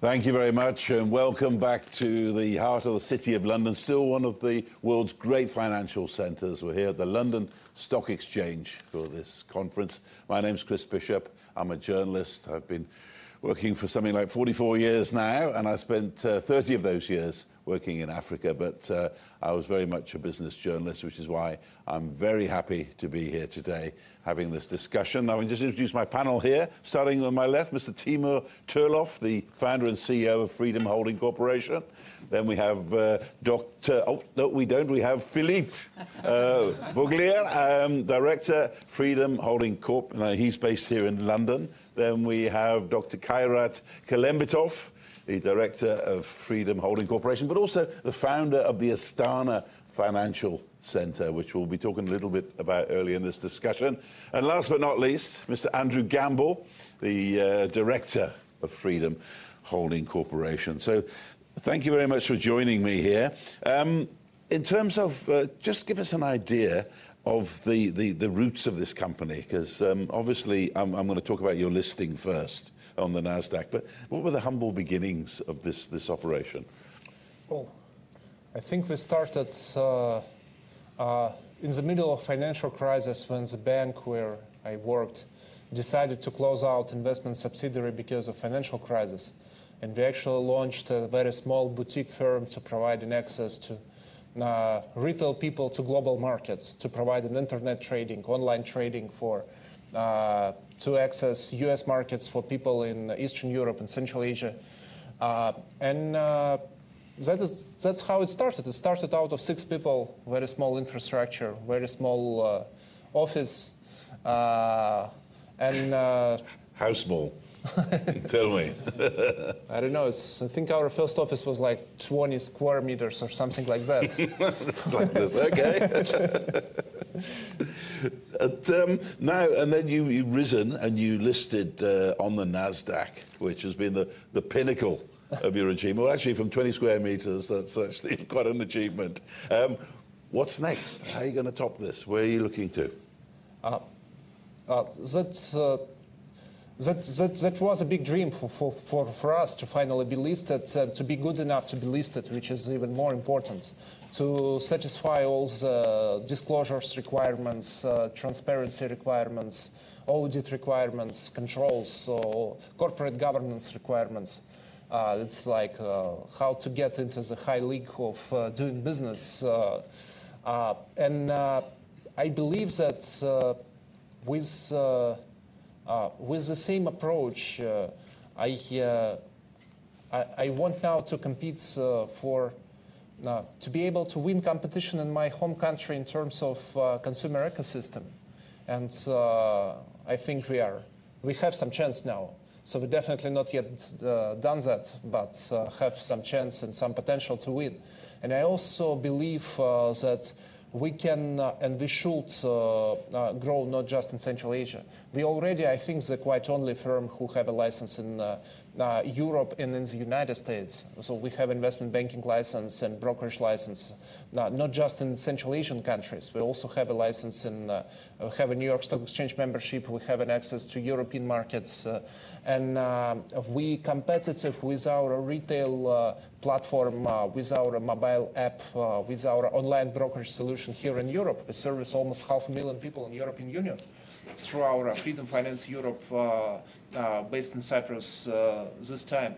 Thank you very much, and welcome back to the heart of the city of London, still one of the world's great financial centers. We're here at the London Stock Exchange for this conference. My name's Chris Bishop. I'm a journalist. I've been working for something like 44 years now, and I spent 30 of those years working in Africa, but I was very much a business journalist, which is why I'm very happy to be here today having this discussion. Now, I'm just introducing my panel here. Starting on my left, Mr. Timur Turlov, the founder and CEO of Freedom Holding Corp. Then we have Dr... Oh, no, we don't. We have Philippe Voglier, director, Freedom Holding Corp. He's based here in London. Then we have Dr. Kairat Kelimbetov, the Director of Freedom Holding Corp., but also the founder of the Astana International Financial Centre, which we will be talking a little bit about early in this discussion. Last but not least, Mr. Andrew Gamble, the Director of Freedom Holding Corp. Thank you very much for joining me here. In terms of just giving us an idea of the roots of this company, because obviously I am going to talk about your listing first on the Nasdaq, what were the humble beginnings of this operation? Oh, I think we started in the middle of the financial crisis when the bank where I worked decided to close out investment subsidiary because of the financial crisis. We actually launched a very small boutique firm to provide access to retail people to global markets, to provide internet trading, online trading for, to access US markets for people in Eastern Europe and Central Asia. That is, that's how it started. It started out of six people, very small infrastructure, very small office. How small? Tell me. I don't know. I think our first office was like 20 sq m or something like that. Like that. Okay. You have risen and you listed on the Nasdaq, which has been the pinnacle of your achievement. Actually, from 20 sq m, that's actually quite an achievement. What's next? How are you going to top this? Where are you looking to? That was a big dream for us to finally be listed and to be good enough to be listed, which is even more important, to satisfy all the disclosures requirements, transparency requirements, audit requirements, controls, so corporate governance requirements. It is like how to get into the high league of doing business. I believe that with the same approach, I want now to compete for, to be able to win competition in my home country in terms of consumer ecosystem. I think we have some chance now. We are definitely not yet done that, but have some chance and some potential to win. I also believe that we can and we should grow not just in Central Asia. We already, I think, are quite the only firm who has a license in Europe and in the United States. We have an investment banking license and brokerage license, not just in Central Asian countries. We also have a license in, we have a New York Stock Exchange membership. We have access to European markets. We are competitive with our retail platform, with our mobile app, with our online brokerage solution here in Europe. We service almost 500,000 people in the European Union through our Freedom Finance Europe, based in Cyprus this time.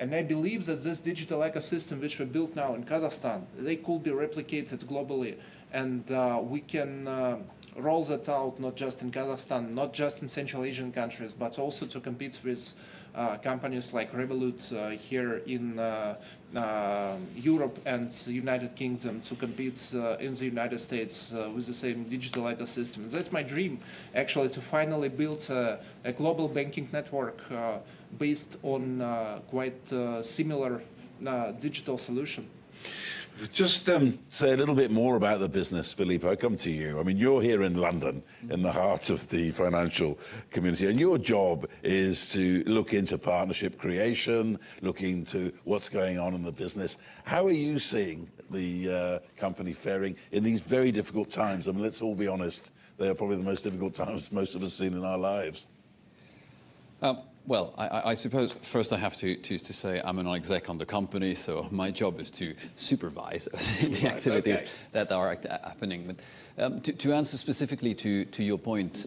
I believe that this digital ecosystem, which we built now in Kazakhstan, they could be replicated globally. We can roll that out not just in Kazakhstan, not just in Central Asian countries, but also to compete with companies like Revolut here in Europe and the United Kingdom to compete in the United States with the same digital ecosystem. That's my dream, actually, to finally build a global banking network, based on, quite a similar, digital solution. Just say a little bit more about the business, Philippe. I come to you. I mean, you're here in London, in the heart of the financial community. And your job is to look into partnership creation, look into what's going on in the business. How are you seeing the company faring in these very difficult times? I mean, let's all be honest, they are probably the most difficult times most of us have seen in our lives. I suppose first I have to say I'm an exec on the company, so my job is to supervise the activities that are happening. To answer specifically to your point,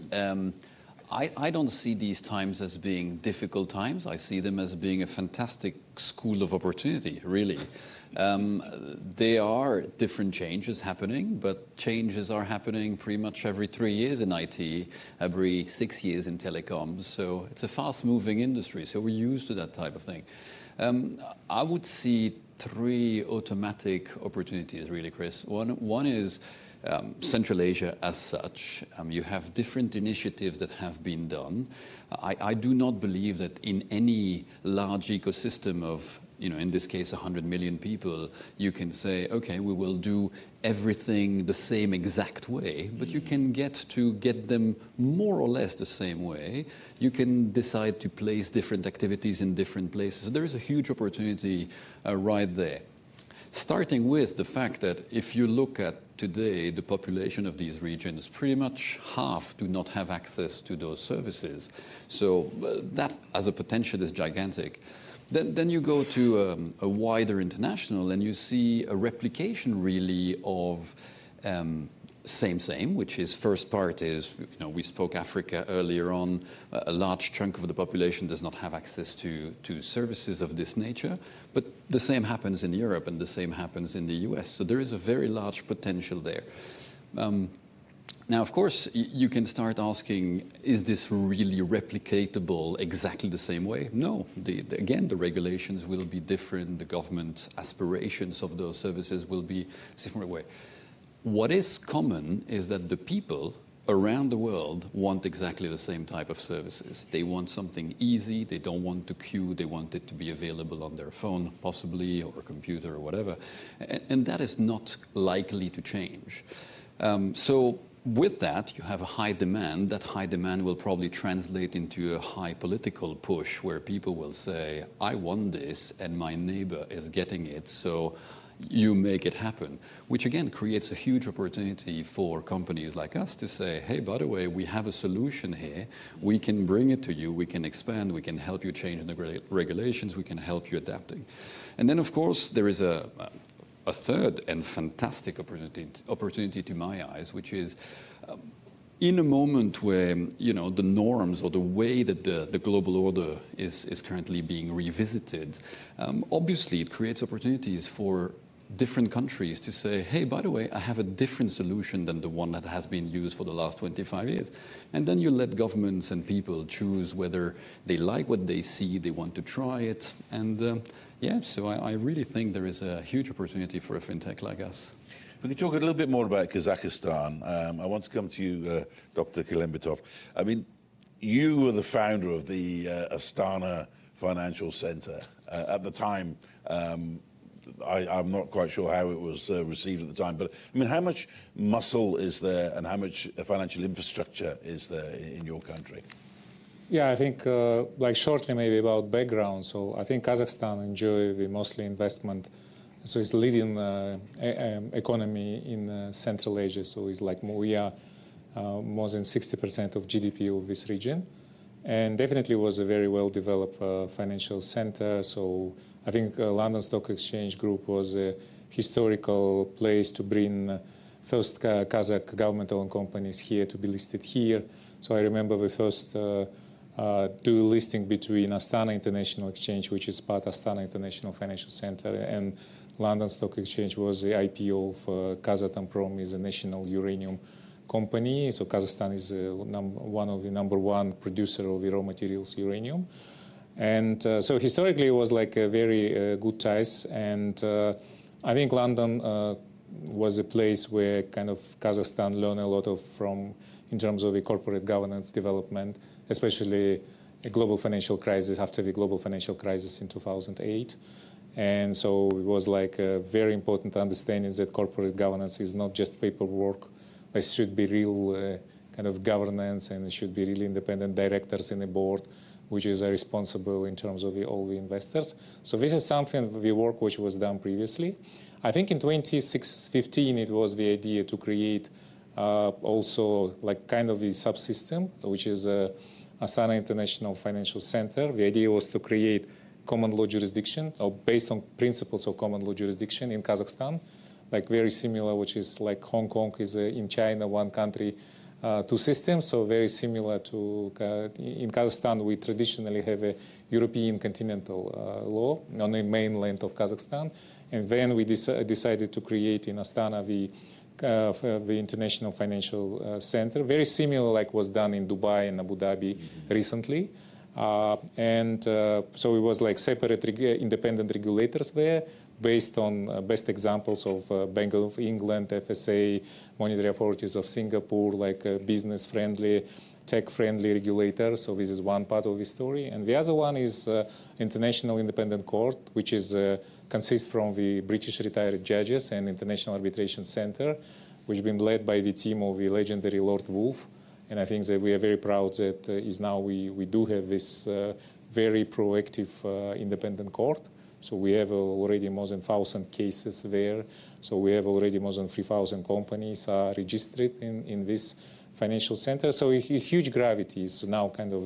I don't see these times as being difficult times. I see them as being a fantastic school of opportunity, really. There are different changes happening, but changes are happening pretty much every three years in IT, every six years in telecoms. It is a fast-moving industry. We are used to that type of thing. I would see three automatic opportunities, really, Chris. One is Central Asia as such. You have different initiatives that have been done. I do not believe that in any large ecosystem of, you know, in this case, 100 million people, you can say, okay, we will do everything the same exact way, but you can get to get them more or less the same way. You can decide to place different activities in different places. There is a huge opportunity right there, starting with the fact that if you look at today, the population of these regions pretty much half do not have access to those services. That as a potential is gigantic. You go to a wider international and you see a replication really of same same, which is first part is, you know, we spoke Africa earlier on, a large chunk of the population does not have access to services of this nature, but the same happens in Europe and the same happens in the U.S. There is a very large potential there. Now, of course, you can start asking, is this really replicatable exactly the same way? No. Again, the regulations will be different. The government aspirations of those services will be a different way. What is common is that the people around the world want exactly the same type of services. They want something easy. They do not want to queue. They want it to be available on their phone, possibly, or computer or whatever. That is not likely to change. With that, you have a high demand. That high demand will probably translate into a high political push where people will say, I want this and my neighbor is getting it. You make it happen, which again creates a huge opportunity for companies like us to say, hey, by the way, we have a solution here. We can bring it to you. We can expand. We can help you change the regulations. We can help you adapt. There is a third and fantastic opportunity to my eyes, which is in a moment where, you know, the norms or the way that the global order is currently being revisited, obviously it creates opportunities for different countries to say, hey, by the way, I have a different solution than the one that has been used for the last 25 years. And then you let governments and people choose whether they like what they see, they want to try it. Yeah, I really think there is a huge opportunity for a fintech like us. Can you talk a little bit more about Kazakhstan? I want to come to you, Dr. Kelimbetov. I mean, you were the founder of the Astana International Financial Centre at the time. I'm not quite sure how it was received at the time, but I mean, how much muscle is there and how much financial infrastructure is there in your country? Yeah, I think like shortly maybe about background. I think Kazakhstan enjoyed mostly investment. It's a leading economy in Central Asia. It's like we are more than 60% of GDP of this region. Definitely was a very well-developed financial center. I think London Stock Exchange Group was a historical place to bring first Kazakh governmental companies here to be listed here. I remember the first dual listing between Astana International Exchange, which is part of Astana International Financial Centre, and London Stock Exchange was the IPO for Kazatomprom, which is a national uranium company. Kazakhstan is one of the number one producers of raw materials uranium. Historically it was very good ties. I think London was a place where kind of Kazakhstan learned a lot from in terms of the corporate governance development, especially after the global financial crisis in 2008. It was a very important understanding that corporate governance is not just paperwork, but it should be real kind of governance and it should be really independent directors in the board, which is responsible in terms of all the investors. This is something we work which was done previously. I think in 2015 it was the idea to create also like kind of the subsystem, which is Astana International Financial Centre. The idea was to create common law jurisdiction based on principles of common law jurisdiction in Kazakhstan, like very similar, which is like Hong Kong is in China, one country, two systems. Very similar to in Kazakhstan, we traditionally have a European continental law on the mainland of Kazakhstan. Then we decided to create in Astana the International Financial Centre, very similar like was done in Dubai and Abu Dhabi recently. It was like separate independent regulators there based on best examples of Bank of England, FSA, monetary authorities of Singapore, like business friendly, tech friendly regulators. This is one part of the story. The other one is International Independent Court, which consists of the British retired judges and International Arbitration Center, which has been led by the team of the legendary Lord Wolf. I think that we are very proud that now we do have this very proactive independent court. We have already more than 1,000 cases there. We have already more than 3,000 companies registered in this financial center. A huge gravity is now kind of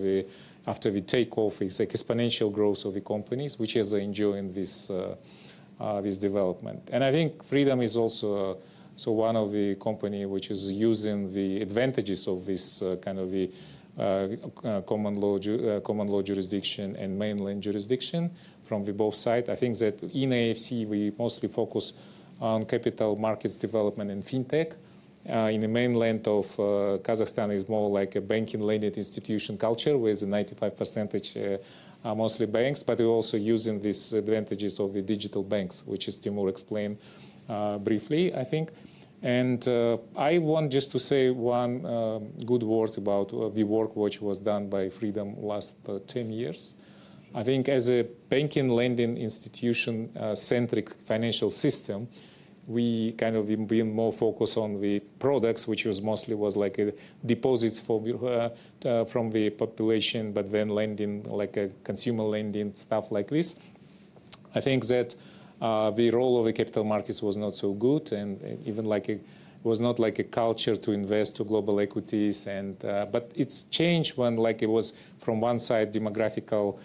after the takeoff, it's like exponential growth of the companies, which has enjoyed this development. I think Freedom is also one of the companies which is using the advantages of this kind of common law jurisdiction and mainland jurisdiction from both sides. I think that in AIFC we mostly focus on capital markets development and fintech. In the mainland of Kazakhstan it is more like a banking-laden institution culture with a 95% mostly banks, but we are also using these advantages of the digital banks, which is to more explain briefly, I think. I want just to say one good word about the work which was done by Freedom last 10 years. I think as a banking-lending institution-centric financial system, we kind of have been more focused on the products, which was mostly like deposits from the population, but then lending like consumer lending, stuff like this. I think that the role of the capital markets was not so good and even like it was not like a culture to invest to global equities. It changed when, like, it was from one side demographical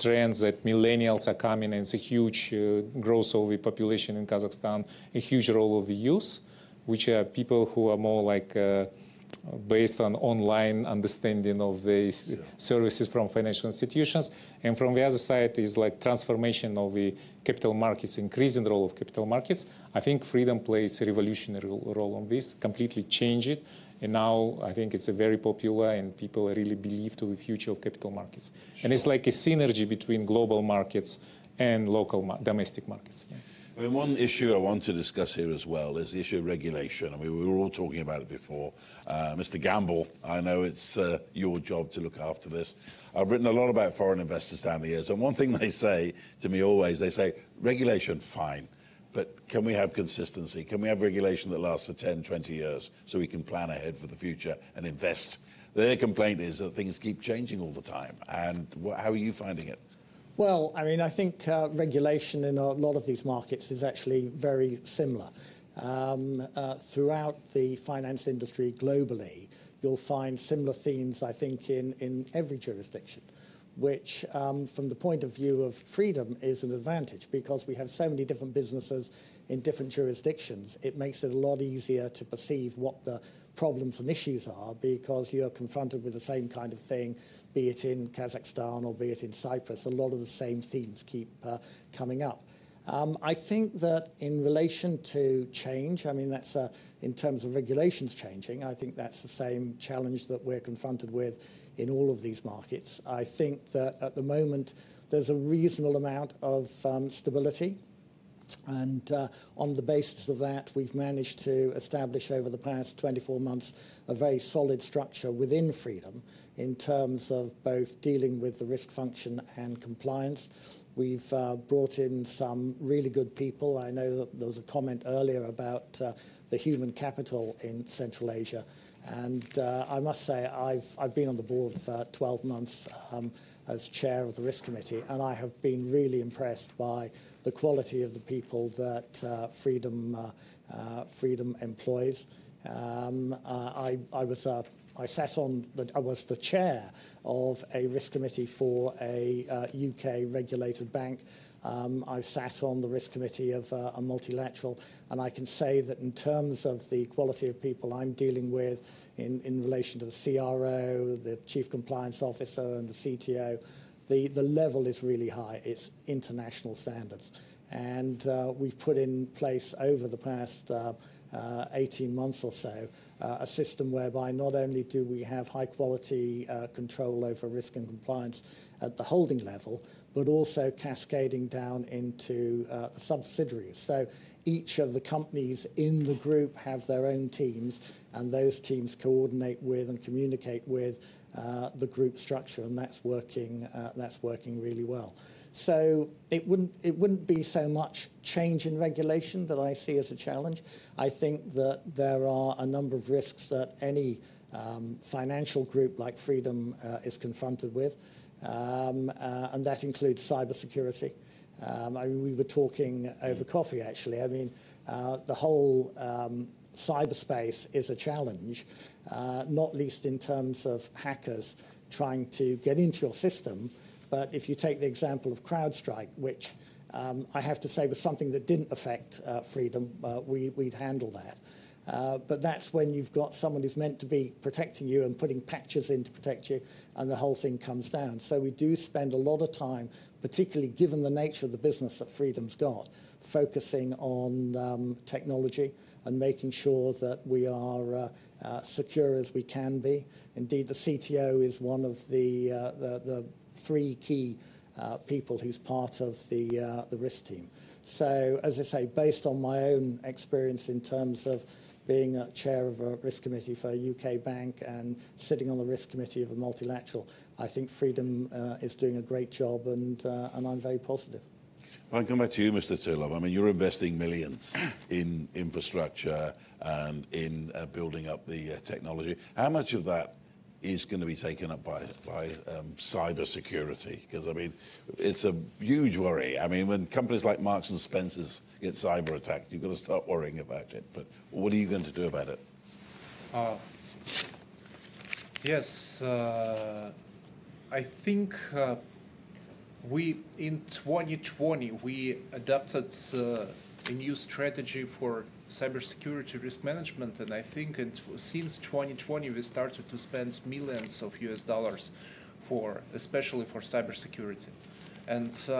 trends that millennials are coming and it is a huge growth of the population in Kazakhstan, a huge role of the youth, which are people who are more like based on online understanding of the services from financial institutions. From the other side is like transformation of the capital markets, increasing the role of capital markets. I think Freedom plays a revolutionary role on this, completely changed it. Now I think it is very popular and people really believe in the future of capital markets. It is like a synergy between global markets and local domestic markets. One issue I want to discuss here as well is the issue of regulation. We were all talking about it before. Mr. Gamble, I know it's your job to look after this. I've written a lot about foreign investors down the years. One thing they say to me always, they say regulation, fine, but can we have consistency? Can we have regulation that lasts for 10, 20 years so we can plan ahead for the future and invest? Their complaint is that things keep changing all the time. How are you finding it? I mean, I think regulation in a lot of these markets is actually very similar. Throughout the finance industry globally, you'll find similar themes, I think, in every jurisdiction, which from the point of view of Freedom is an advantage because we have so many different businesses in different jurisdictions. It makes it a lot easier to perceive what the problems and issues are because you are confronted with the same kind of thing, be it in Kazakhstan or be it in Cyprus. A lot of the same themes keep coming up. I think that in relation to change, I mean, that's in terms of regulations changing, I think that's the same challenge that we're confronted with in all of these markets. I think that at the moment there's a reasonable amount of stability. On the basis of that, we've managed to establish over the past 24 months a very solid structure within Freedom in terms of both dealing with the risk function and compliance. We've brought in some really good people. I know that there was a comment earlier about the human capital in Central Asia. I must say I've been on the board for 12 months as Chair of the Risk Committee, and I have been really impressed by the quality of the people that Freedom employs. I was the Chair of a Risk Committee for a U.K. regulated bank. I sat on the Risk Committee of a multilateral. I can say that in terms of the quality of people I'm dealing with in relation to the CRO, the Chief Compliance Officer, and the CTO, the level is really high. It's international standards. We have put in place over the past 18 months or so a system whereby not only do we have high quality control over risk and compliance at the holding level, but also cascading down into the subsidiaries. Each of the companies in the group have their own teams, and those teams coordinate with and communicate with the group structure. That is working really well. It would not be so much change in regulation that I see as a challenge. I think that there are a number of risks that any financial group like Freedom is confronted with. That includes cybersecurity. I mean, we were talking over coffee, actually. I mean, the whole cyberspace is a challenge, not least in terms of hackers trying to get into your system. If you take the example of CrowdStrike, which I have to say was something that did not affect Freedom, we handled that. That is when you have got someone who is meant to be protecting you and putting patches in to protect you, and the whole thing comes down. We do spend a lot of time, particularly given the nature of the business that Freedom's got, focusing on technology and making sure that we are as secure as we can be. Indeed, the CTO is one of the three key people who's part of the risk team. As I say, based on my own experience in terms of being a chair of a risk committee for a U.K. bank and sitting on the risk committee of a multilateral, I think Freedom is doing a great job and I'm very positive. I'll come back to you, Mr. Turlov. I mean, you're investing millions in infrastructure and in building up the technology. How much of that is going to be taken up by cybersecurity? I mean, it's a huge worry. I mean, when companies like Marks and Spencer's get cyber attacked, you've got to stop worrying about it. What are you going to do about it? Yes, I think in 2020 we adopted a new strategy for cybersecurity risk management. I think since 2020 we started to spend millions of US dollars especially for cybersecurity.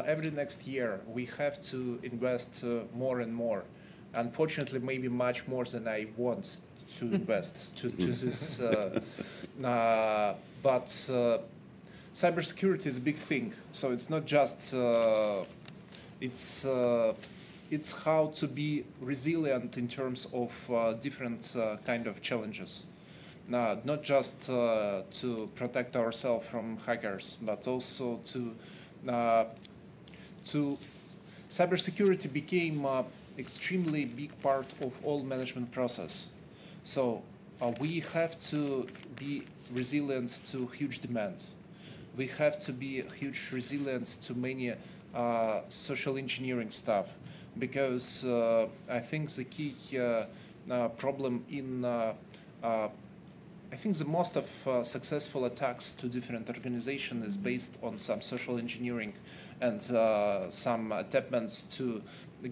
Every next year we have to invest more and more. Unfortunately, maybe much more than I want to invest to this. Cybersecurity is a big thing. It is not just how to be resilient in terms of different kinds of challenges. Not just to protect ourselves from hackers, but also cybersecurity became an extremely big part of all management process. We have to be resilient to huge demands. We have to be huge resilience to many social engineering stuff because I think the key problem in I think most of successful attacks to different organizations is based on some social engineering and some attempts to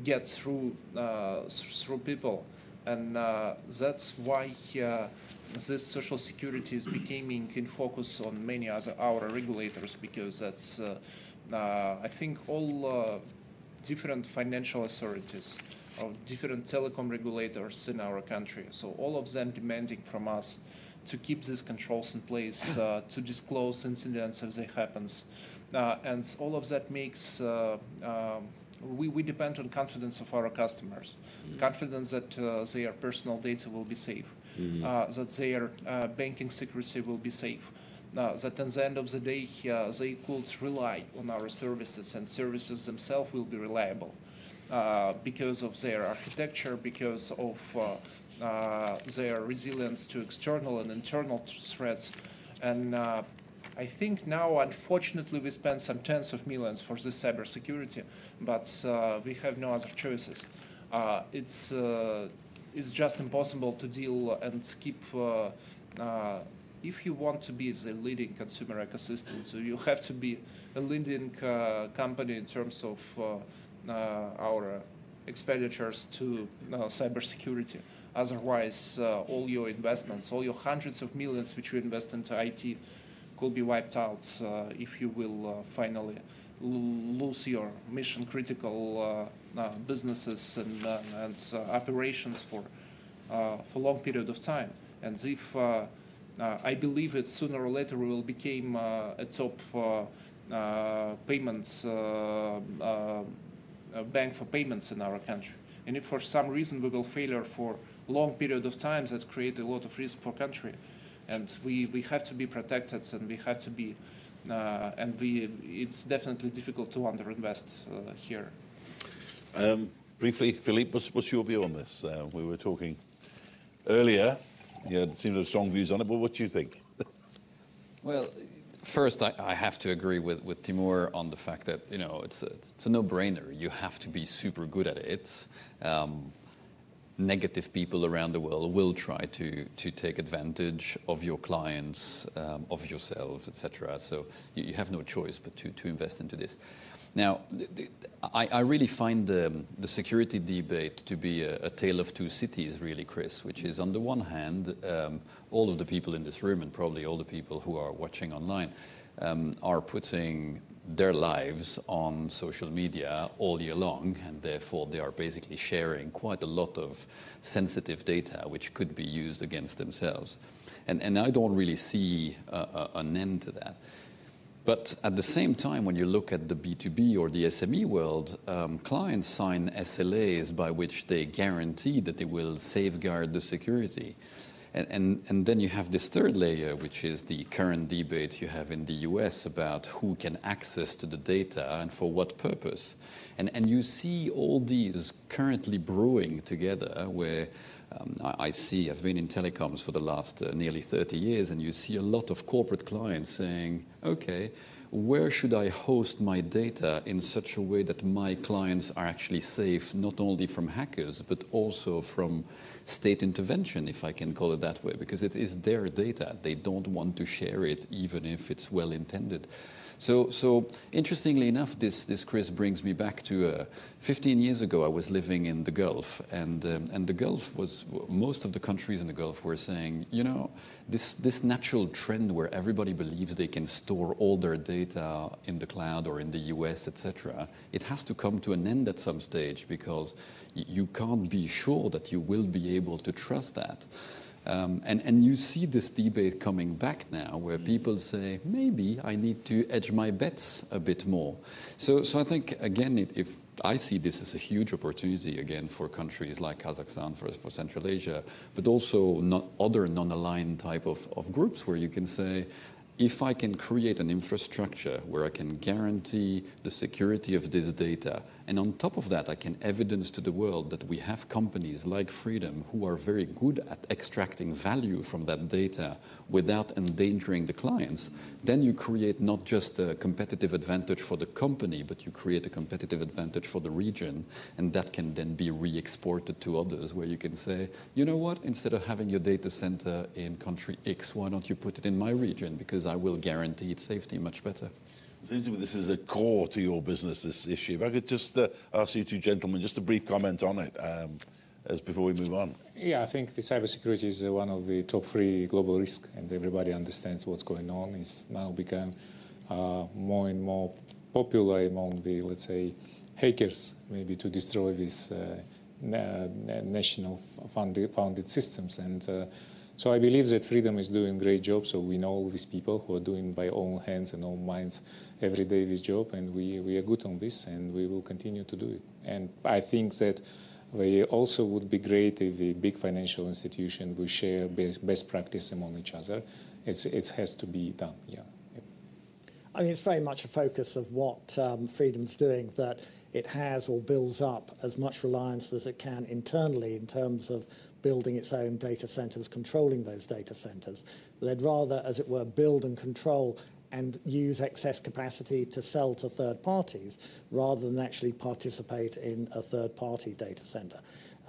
get through people. That is why this social security is becoming in focus on many of our regulators because that is, I think, all different financial authorities or different telecom regulators in our country. All of them are demanding from us to keep these controls in place, to disclose incidents if they happen. All of that makes we depend on confidence of our customers, confidence that their personal data will be safe, that their banking secrecy will be safe, that in the end of the day they could rely on our services and services themselves will be reliable because of their architecture, because of their resilience to external and internal threats. I think now unfortunately we spend some tens of millions for this cybersecurity, but we have no other choices. It's just impossible to deal and keep if you want to be the leading consumer ecosystem, so you have to be a leading company in terms of our expenditures to cybersecurity. Otherwise, all your investments, all your hundreds of millions which you invest into IT could be wiped out if you will finally lose your mission critical businesses and operations for a long period of time. I believe sooner or later we will become a top bank for payments in our country. If for some reason we will fail for a long period of time, that creates a lot of risk for the country. We have to be protected and we have to be and it's definitely difficult to underinvest here. Briefly, Philippe, what's your view on this? We were talking earlier. You had seemed to have strong views on it, but what do you think? First, I have to agree with Timur on the fact that it's a no-brainer. You have to be super good at it. Negative people around the world will try to take advantage of your clients, of yourselves, etc. You have no choice but to invest into this. Now, I really find the security debate to be a tale of two cities, really, Chris, which is on the one hand, all of the people in this room and probably all the people who are watching online are putting their lives on social media all year long, and therefore they are basically sharing quite a lot of sensitive data which could be used against themselves. I don't really see an end to that. At the same time, when you look at the B2B or the SME world, clients sign SLAs by which they guarantee that they will safeguard the security. Then you have this third layer, which is the current debate you have in the U.S. about who can access the data and for what purpose. You see all these currently brewing together where I see I've been in telecoms for the last nearly 30 years, and you see a lot of corporate clients saying, "Okay, where should I host my data in such a way that my clients are actually safe, not only from hackers, but also from state intervention, if I can call it that way, because it is their data. They do not want to share it even if it's well-intended." Interestingly enough, this, Chris, brings me back to 15 years ago. I was living in the Gulf, and the Gulf was most of the countries in the Gulf were saying, "You know, this natural trend where everybody believes they can store all their data in the cloud or in the US, etc., it has to come to an end at some stage because you can't be sure that you will be able to trust that." You see this debate coming back now where people say, "Maybe I need to edge my bets a bit more." I think, again, if I see this as a huge opportunity again for countries like Kazakhstan, for Central Asia, but also other non-aligned type of groups where you can say, "If I can create an infrastructure where I can guarantee the security of this data, and on top of that, I can evidence to the world that we have companies like Freedom who are very good at extracting value from that data without endangering the clients, then you create not just a competitive advantage for the company, but you create a competitive advantage for the region, and that can then be re-exported to others where you can say, 'You know what? Instead of having your data center in country X, why do not you put it in my region because I will guarantee its safety much better.' This is a core to your business, this issue. If I could just ask you two gentlemen just a brief comment on it as before we move on. Yeah, I think the cybersecurity is one of the top three global risks, and everybody understands what is going on. It is now become more and more popular among the, let us say, hackers maybe to destroy these national funded systems. I believe that Freedom is doing a great job. We know all these people who are doing by all hands and all minds every day this job, and we are good on this, and we will continue to do it. I think that it also would be great if the big financial institution would share best practice among each other. It has to be done. Yeah. I mean, it's very much a focus of what Freedom's doing that it has or builds up as much reliance as it can internally in terms of building its own data centers, controlling those data centers. They'd rather, as it were, build and control and use excess capacity to sell to third parties rather than actually participate in a third-party data center.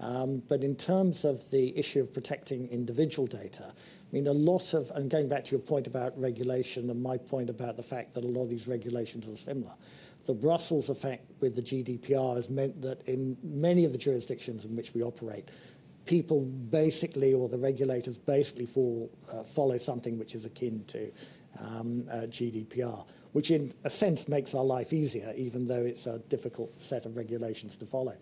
In terms of the issue of protecting individual data, I mean, a lot of and going back to your point about regulation and my point about the fact that a lot of these regulations are similar. The Brussels effect with the GDPR has meant that in many of the jurisdictions in which we operate, people basically or the regulators basically follow something which is akin to GDPR, which in a sense makes our life easier, even though it's a difficult set of regulations to follow.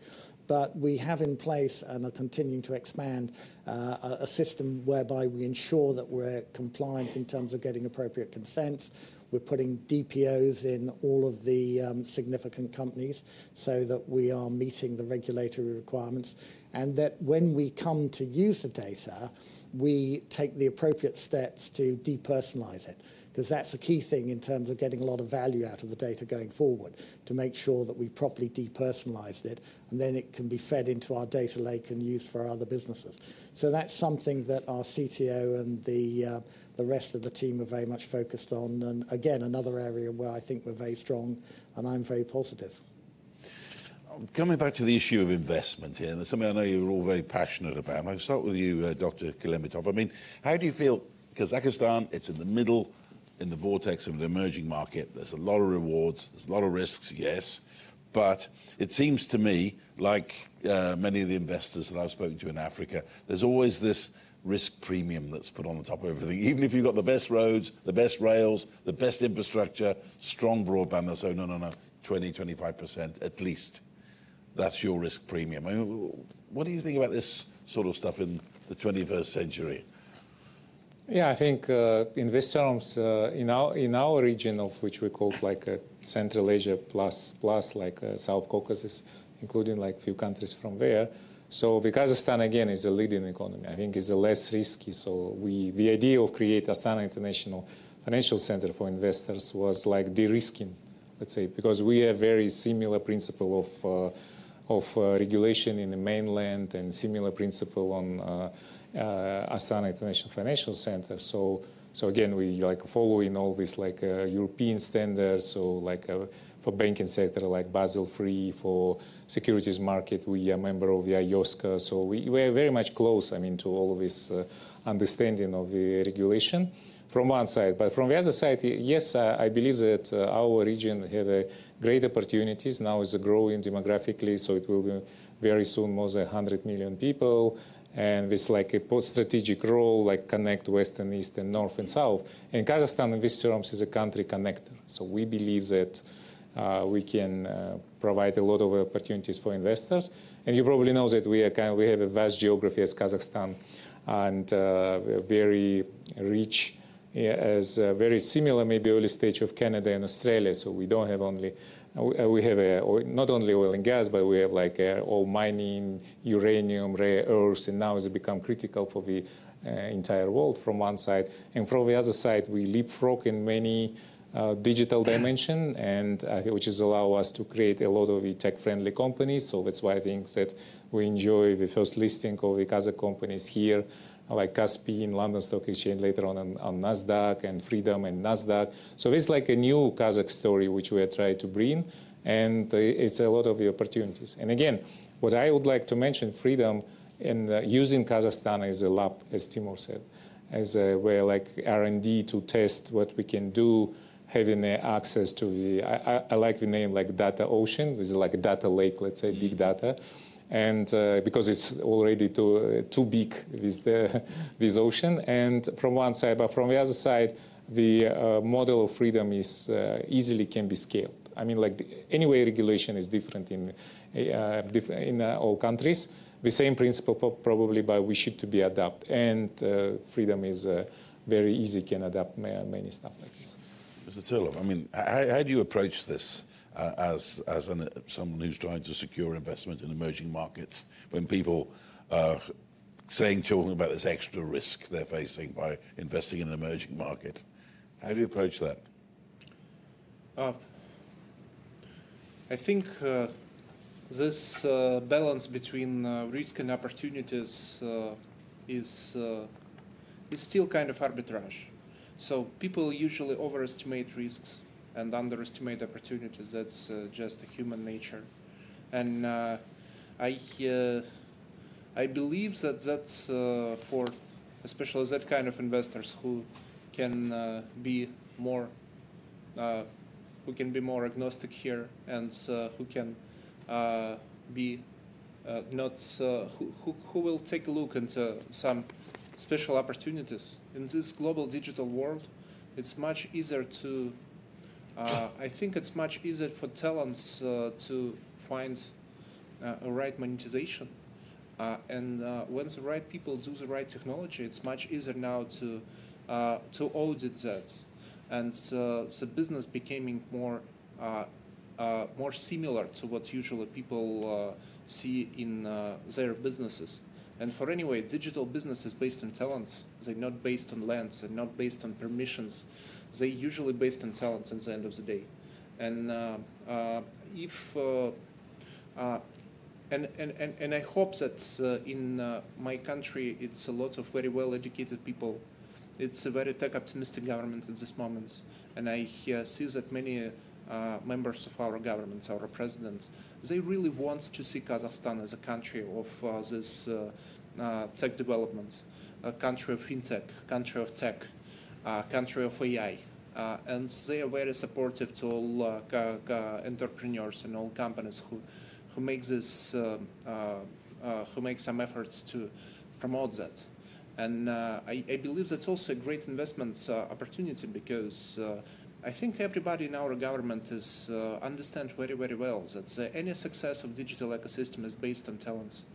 We have in place and are continuing to expand a system whereby we ensure that we're compliant in terms of getting appropriate consents. We're putting DPOs in all of the significant companies so that we are meeting the regulatory requirements. When we come to use the data, we take the appropriate steps to depersonalize it because that's a key thing in terms of getting a lot of value out of the data going forward to make sure that we properly depersonalize it, and then it can be fed into our data lake and used for other businesses. That's something that our CTO and the rest of the team are very much focused on. Again, another area where I think we're very strong and I'm very positive. Coming back to the issue of investment here, and it's something I know you're all very passionate about, I'm going to start with you, Dr. Klemenetov. I mean, how do you feel? Kazakhstan, it's in the middle in the vortex of an emerging market. There's a lot of rewards. There's a lot of risks, yes. It seems to me, like many of the investors that I've spoken to in Africa, there's always this risk premium that's put on the top of everything. Even if you've got the best roads, the best rails, the best infrastructure, strong broadband, they'll say, "No, no, no, 20-25% at least." That's your risk premium. What do you think about this sort of stuff in the 21st century? Yeah, I think in this terms, in our region of which we're called like Central Asia plus like South Caucasus, including like a few countries from there. Kazakhstan, again, is a leading economy. I think it's less risky. The idea of creating Astana International Financial Centre for investors was like de-risking, let's say, because we have a very similar principle of regulation in the mainland and similar principle on Astana International Financial Centre. We are following all these European standards. For banking sector, like Basel III for securities market, we are a member of IOSCA. We are very much close, I mean, to all of this understanding of the regulation from one side. From the other side, yes, I believe that our region has great opportunities. Now it's growing demographically, so it will be very soon more than 100 million people. It's like a strategic role, like connect West and East and North and South. Kazakhstan in this terms is a country connector. We believe that we can provide a lot of opportunities for investors. You probably know that we have a vast geography as Kazakhstan, and we are very rich as very similar maybe early stage of Canada and Australia. We have not only oil and gas, but we have like all mining, uranium, rare earth, and now it's become critical for the entire world from one side. From the other side, we leapfrogging many digital dimensions, which allow us to create a lot of tech-friendly companies. That's why I think that we enjoy the first listing of the Kazakh companies here, like Kaspi in London Stock Exchange, later on on Nasdaq and Freedom and Nasdaq. It's like a new Kazakh story which we are trying to bring, and it's a lot of the opportunities. Again, what I would like to mention, Freedom and using Kazakhstan as a lab, as Timur said, as like R&D to test what we can do, having access to the, I like the name like Data Ocean, which is like a data lake, let's say, big data, because it's already too big, this ocean. From one side, but from the other side, the model of Freedom easily can be scaled. I mean, like anyway, regulation is different in all countries. The same principle probably, but we should be adapt. Freedom is very easy, can adapt many stuff like this. Mr. Turlov, I mean, how do you approach this as someone who's trying to secure investment in emerging markets when people are saying, talking about this extra risk they're facing by investing in an emerging market? How do you approach that? I think this balance between risk and opportunities is still kind of arbitrage. People usually overestimate risks and underestimate opportunities. That's just human nature. I believe that that's for especially that kind of investors who can be more, who can be more agnostic here and who can be not, who will take a look into some special opportunities. In this global digital world, it's much easier to, I think it's much easier for talents to find the right monetization. And when the right people do the right technology, it's much easier now to audit that. The business is becoming more similar to what usually people see in their businesses. For anyway, digital business is based on talents. They're not based on land. They're not based on permissions. They're usually based on talents at the end of the day. I hope that in my country, it's a lot of very well-educated people. It's a very tech-optimistic government at this moment. I see that many members of our government, our presidents, they really want to see Kazakhstan as a country of this tech development, a country of fintech, a country of tech, a country of AI. They are very supportive to all entrepreneurs and all companies who make this, who make some efforts to promote that. I believe that's also a great investment opportunity because I think everybody in our government understands very, very well that any success of digital ecosystem is based on talents.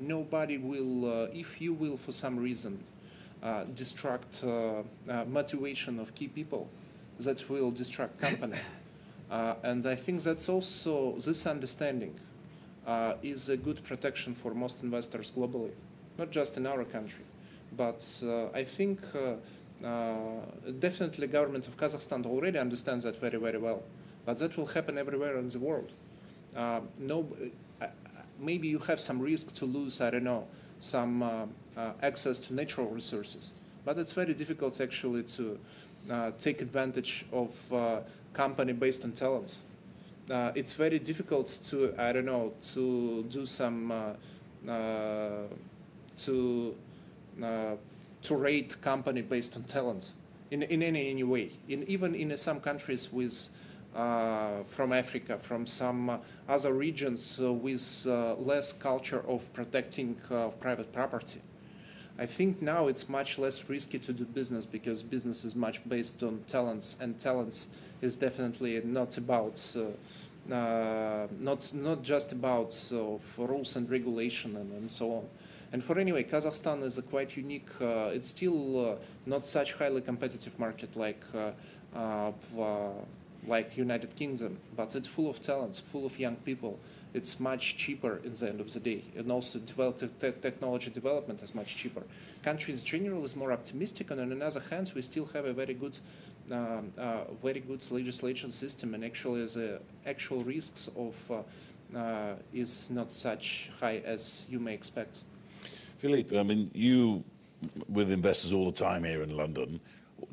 Nobody will, if you will for some reason, destruct the motivation of key people, that will destruct the company. I think that's also this understanding is a good protection for most investors globally, not just in our country. I think definitely the Government of Kazakhstan already understands that very, very well. That will happen everywhere in the world. Maybe you have some risk to lose, I don't know, some access to natural resources. It's very difficult actually to take advantage of a company based on talents. It's very difficult to, I don't know, to do some, to rate a company based on talents in any way, even in some countries from Africa, from some other regions with less culture of protecting private property. I think now it's much less risky to do business because business is much based on talents, and talents is definitely not just about rules and regulation and so on. For anyway, Kazakhstan is quite unique. It's still not such a highly competitive market like the U.K., but it's full of talents, full of young people. It's much cheaper at the end of the day. Also, technology development is much cheaper. The country in general is more optimistic. On the other hand, we still have a very good legislation system, and actually the actual risks are not such high as you may expect. Philippe, I mean, you with investors all the time here in London,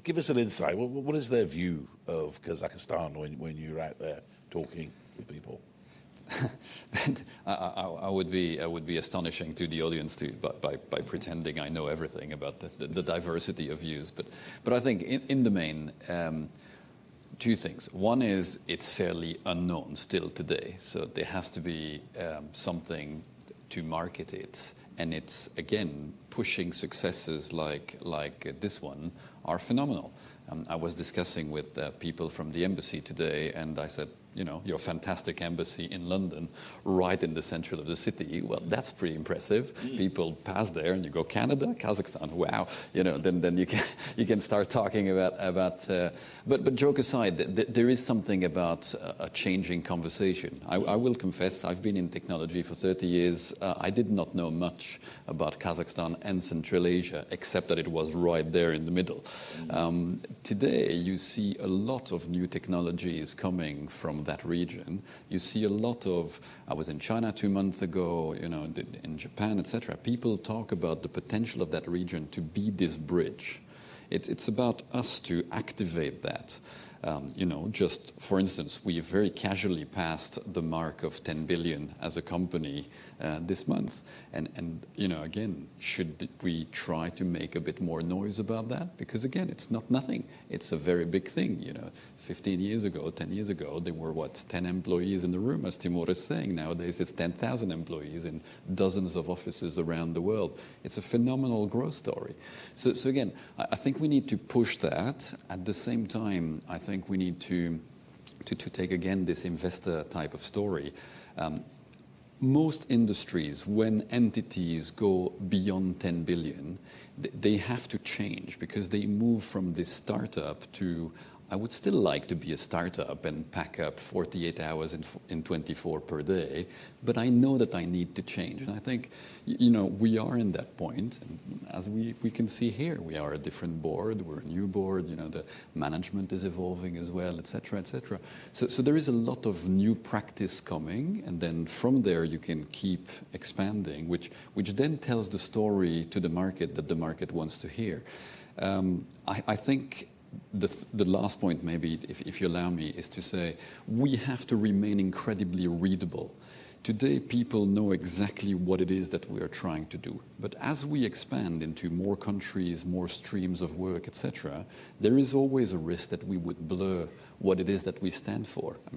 give us an insight. What is their view of Kazakhstan when you're out there talking with people? I would be astonishing to the audience by pretending I know everything about the diversity of views. I think in the main, two things. One is it's fairly unknown still today. There has to be something to market it. It's, again, pushing successes like this one are phenomenal. I was discussing with people from the embassy today, and I said, "You know, your fantastic embassy in London, right in the center of the city." That is pretty impressive. People pass there, and you go, "Canada? Kazakhstan? Wow." You can start talking about, but joke aside, there is something about a changing conversation. I will confess, I've been in technology for 30 years. I did not know much about Kazakhstan and Central Asia, except that it was right there in the middle. Today, you see a lot of new technologies coming from that region. You see a lot of, I was in China two months ago, in Japan, etc. People talk about the potential of that region to be this bridge. It's about us to activate that. Just for instance, we have very casually passed the mark of $10 billion as a company this month. Again, should we try to make a bit more noise about that? Because again, it's not nothing. It's a very big thing. Fifteen years ago, ten years ago, there were, what, ten employees in the room, as Timur is saying. Nowadays, it's 10,000 employees in dozens of offices around the world. It's a phenomenal growth story. I think we need to push that. At the same time, I think we need to take, again, this investor type of story. Most industries, when entities go beyond $10 billion, they have to change because they move from this startup to, I would still like to be a startup and pack up 48 hours in 24 per day. I know that I need to change. I think we are in that point. As we can see here, we are a different board. We are a new board. The management is evolving as well, etc., etc. There is a lot of new practice coming. From there, you can keep expanding, which then tells the story to the market that the market wants to hear. I think the last point, maybe if you allow me, is to say we have to remain incredibly readable. Today, people know exactly what it is that we are trying to do. As we expand into more countries, more streams of work, etc., there is always a risk that we would blur what it is that we stand for. I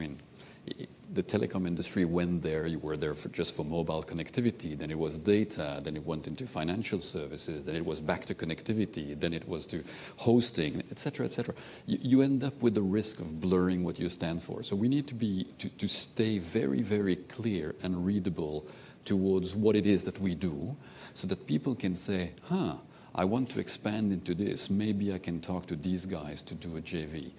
mean, the telecom industry, when there you were there just for mobile connectivity, then it was data, then it went into financial services, then it was back to connectivity, then it was to hosting, etc., etc. You end up with the risk of blurring what you stand for. We need to stay very, very clear and readable towards what it is that we do so that people can say, "Huh, I want to expand into this. Maybe I can talk to these guys to do a JV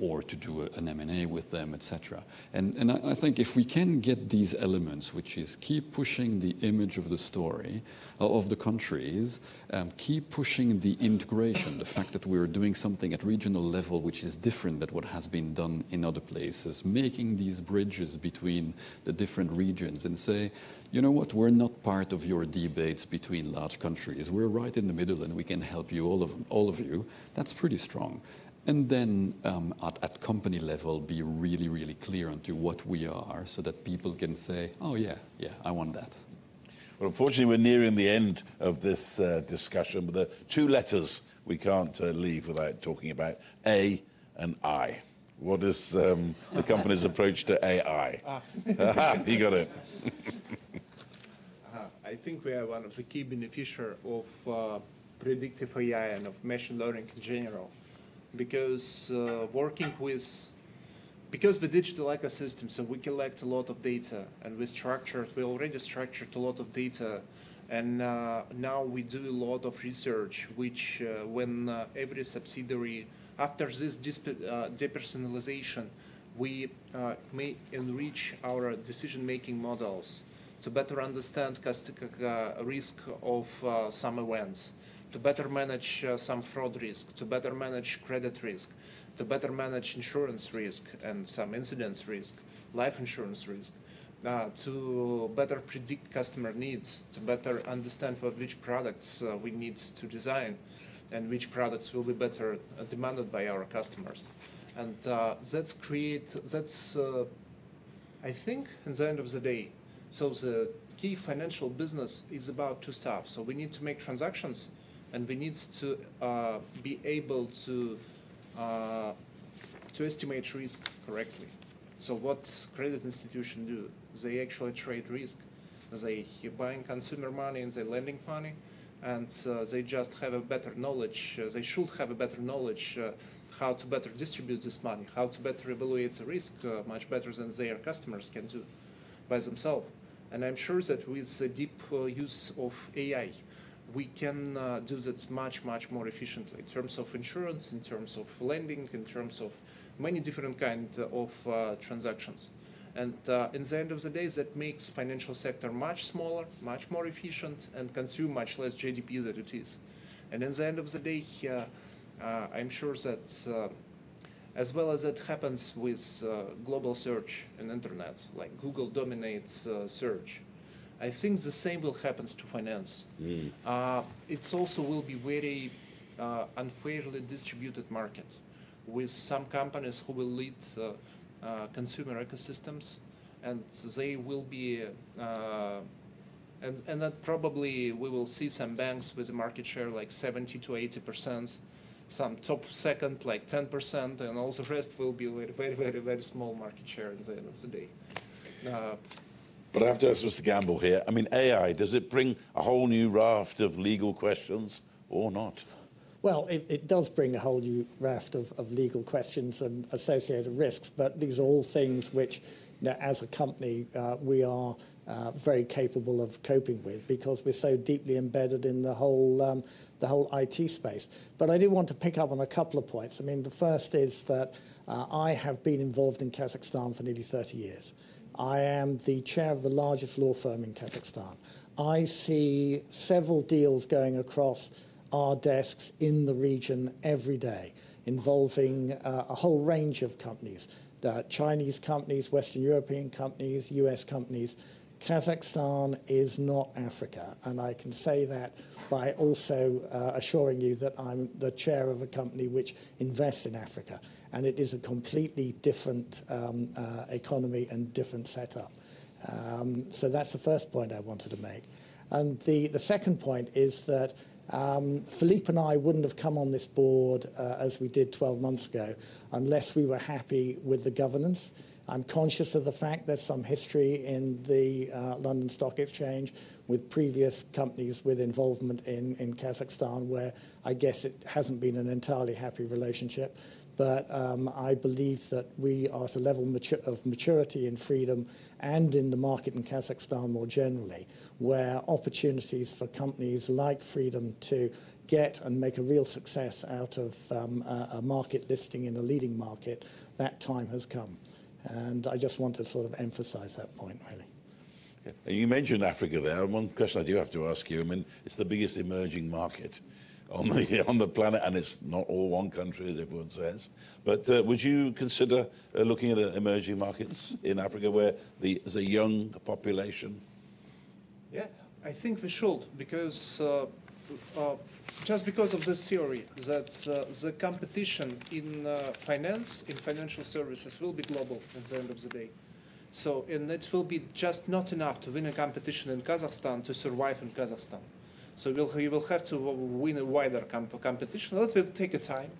or to do an M&A with them," etc. I think if we can get these elements, which is keep pushing the image of the story of the countries, keep pushing the integration, the fact that we are doing something at regional level which is different than what has been done in other places, making these bridges between the different regions and say, "You know what? We're not part of your debates between large countries. We're right in the middle, and we can help you, all of you." That's pretty strong. At company level, be really, really clear onto what we are so that people can say, "Oh yeah, yeah, I want that." Unfortunately, we're nearing the end of this discussion. The two letters we can't leave without talking about, A and I. What is the company's approach to AI? You got it. I think we are one of the key beneficiaries of predictive AI and of machine learning in general because working with the digital ecosystem, we collect a lot of data and we already structured a lot of data. Now we do a lot of research, which when every subsidiary after this depersonalization, we may enrich our decision-making models to better understand risk of some events, to better manage some fraud risk, to better manage credit risk, to better manage insurance risk and some incidents risk, life insurance risk, to better predict customer needs, to better understand for which products we need to design and which products will be better demanded by our customers. That creates, I think, at the end of the day, the key financial business is about two stuff. We need to make transactions, and we need to be able to estimate risk correctly. What credit institutions do is they actually trade risk. They are buying consumer money and they're lending money. They just have a better knowledge. They should have a better knowledge how to better distribute this money, how to better evaluate the risk much better than their customers can do by themselves. I'm sure that with the deep use of AI, we can do this much, much more efficiently in terms of insurance, in terms of lending, in terms of many different kinds of transactions. At the end of the day, that makes the financial sector much smaller, much more efficient, and consume much less GDP than it is. At the end of the day, I'm sure that as well as it happens with global search and internet, like Google dominates search, I think the same will happen to finance. It also will be a very unfairly distributed market with some companies who will lead consumer ecosystems. They will be, and then probably we will see some banks with a market share like 70-80%, some top second like 10%, and all the rest will be a very, very, very small market share at the end of the day. I have to ask Mr. Gamble here. I mean, AI, does it bring a whole new raft of legal questions or not? It does bring a whole new raft of legal questions and associated risks. These are all things which, as a company, we are very capable of coping with because we're so deeply embedded in the whole IT space. I do want to pick up on a couple of points. I mean, the first is that I have been involved in Kazakhstan for nearly 30 years. I am the chair of the largest law firm in Kazakhstan. I see several deals going across our desks in the region every day involving a whole range of companies: Chinese companies, Western European companies, U.S. companies. Kazakhstan is not Africa. I can say that by also assuring you that I'm the chair of a company which invests in Africa. It is a completely different economy and different setup. That is the first point I wanted to make. The second point is that Philippe and I would not have come on this board as we did 12 months ago unless we were happy with the governance. I am conscious of the fact there is some history in the London Stock Exchange with previous companies with involvement in Kazakhstan where I guess it has not been an entirely happy relationship. I believe that we are at a level of maturity and freedom and in the market in Kazakhstan more generally where opportunities for companies like Freedom to get and make a real success out of a market listing in a leading market, that time has come. I just want to sort of emphasize that point, really. You mentioned Africa there. One question I do have to ask you. I mean, it is the biggest emerging market on the planet, and it is not all one country, as everyone says. Would you consider looking at emerging markets in Africa where there's a young population? Yeah, I think for sure because just because of this theory that the competition in finance, in financial services will be global at the end of the day. It will be just not enough to win a competition in Kazakhstan to survive in Kazakhstan. You will have to win a wider competition. Let's take your time.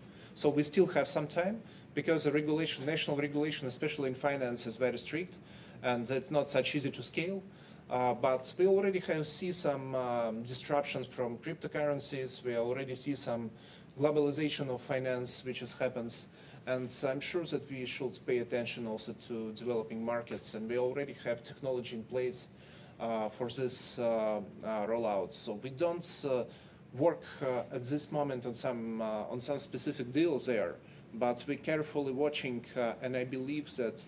We still have some time because the regulation, national regulation, especially in finance, is very strict. It's not such easy to scale. We already see some disruptions from cryptocurrencies. We already see some globalization of finance, which has happened. I'm sure that we should pay attention also to developing markets. We already have technology in place for this rollout. We don't work at this moment on some specific deals there. We're carefully watching. I believe that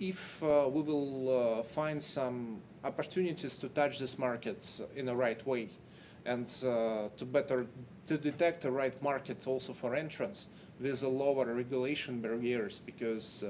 if we will find some opportunities to touch this market in the right way and to better detect the right market also for entrance, there's a lower regulation barriers because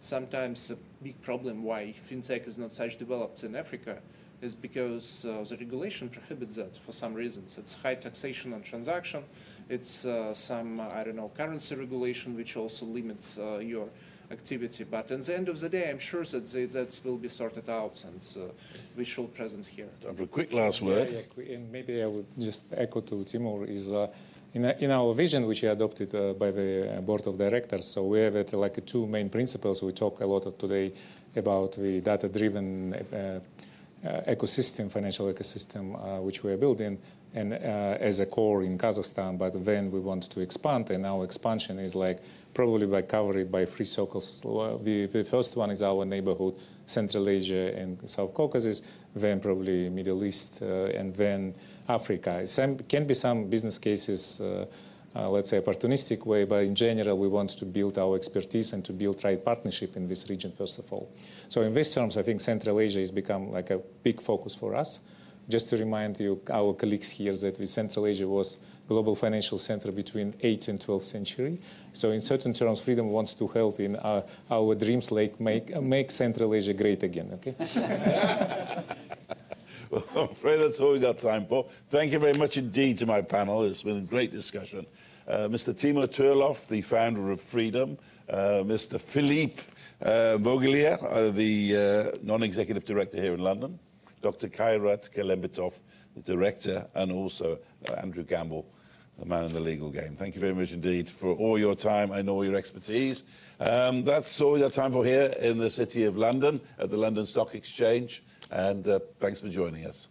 sometimes a big problem why fintech is not such developed in Africa is because the regulation prohibits that for some reasons. It's high taxation on transaction. It's some, I don't know, currency regulation, which also limits your activity. At the end of the day, I'm sure that that will be sorted out, and we should be present here. Quick last word. Maybe I will just echo to Timur is in our vision, which we adopted by the board of directors. We have two main principles. We talk a lot today about the data-driven ecosystem, financial ecosystem, which we are building as a core in Kazakhstan. But then we want to expand. Our expansion is probably covered by three circles. The first one is our neighborhood, Central Asia and South Caucasus, then probably Middle East, and then Africa. There can be some business cases, let's say, opportunistic way. In general, we want to build our expertise and to build right partnership in this region, first of all. In these terms, I think Central Asia has become like a big focus for us. Just to remind you, our colleagues here, that Central Asia was a global financial center between the 18th and 12th century. In certain terms, Freedom wants to help in our dreams like make Central Asia great again. I am afraid that's all we got time for. Thank you very much indeed to my panel. It's been a great discussion. Mr. Timur Turlov, the founder of Freedom. Mr.Philippe Vogeleer, the non-executive director here in London. Dr. Kairat Kelimbetov, the director, and also Andrew Gamble, the man in the legal game. Thank you very much indeed for all your time and all your expertise. That's all we got time for here in the city of London at the London Stock Exchange. Thanks for joining us.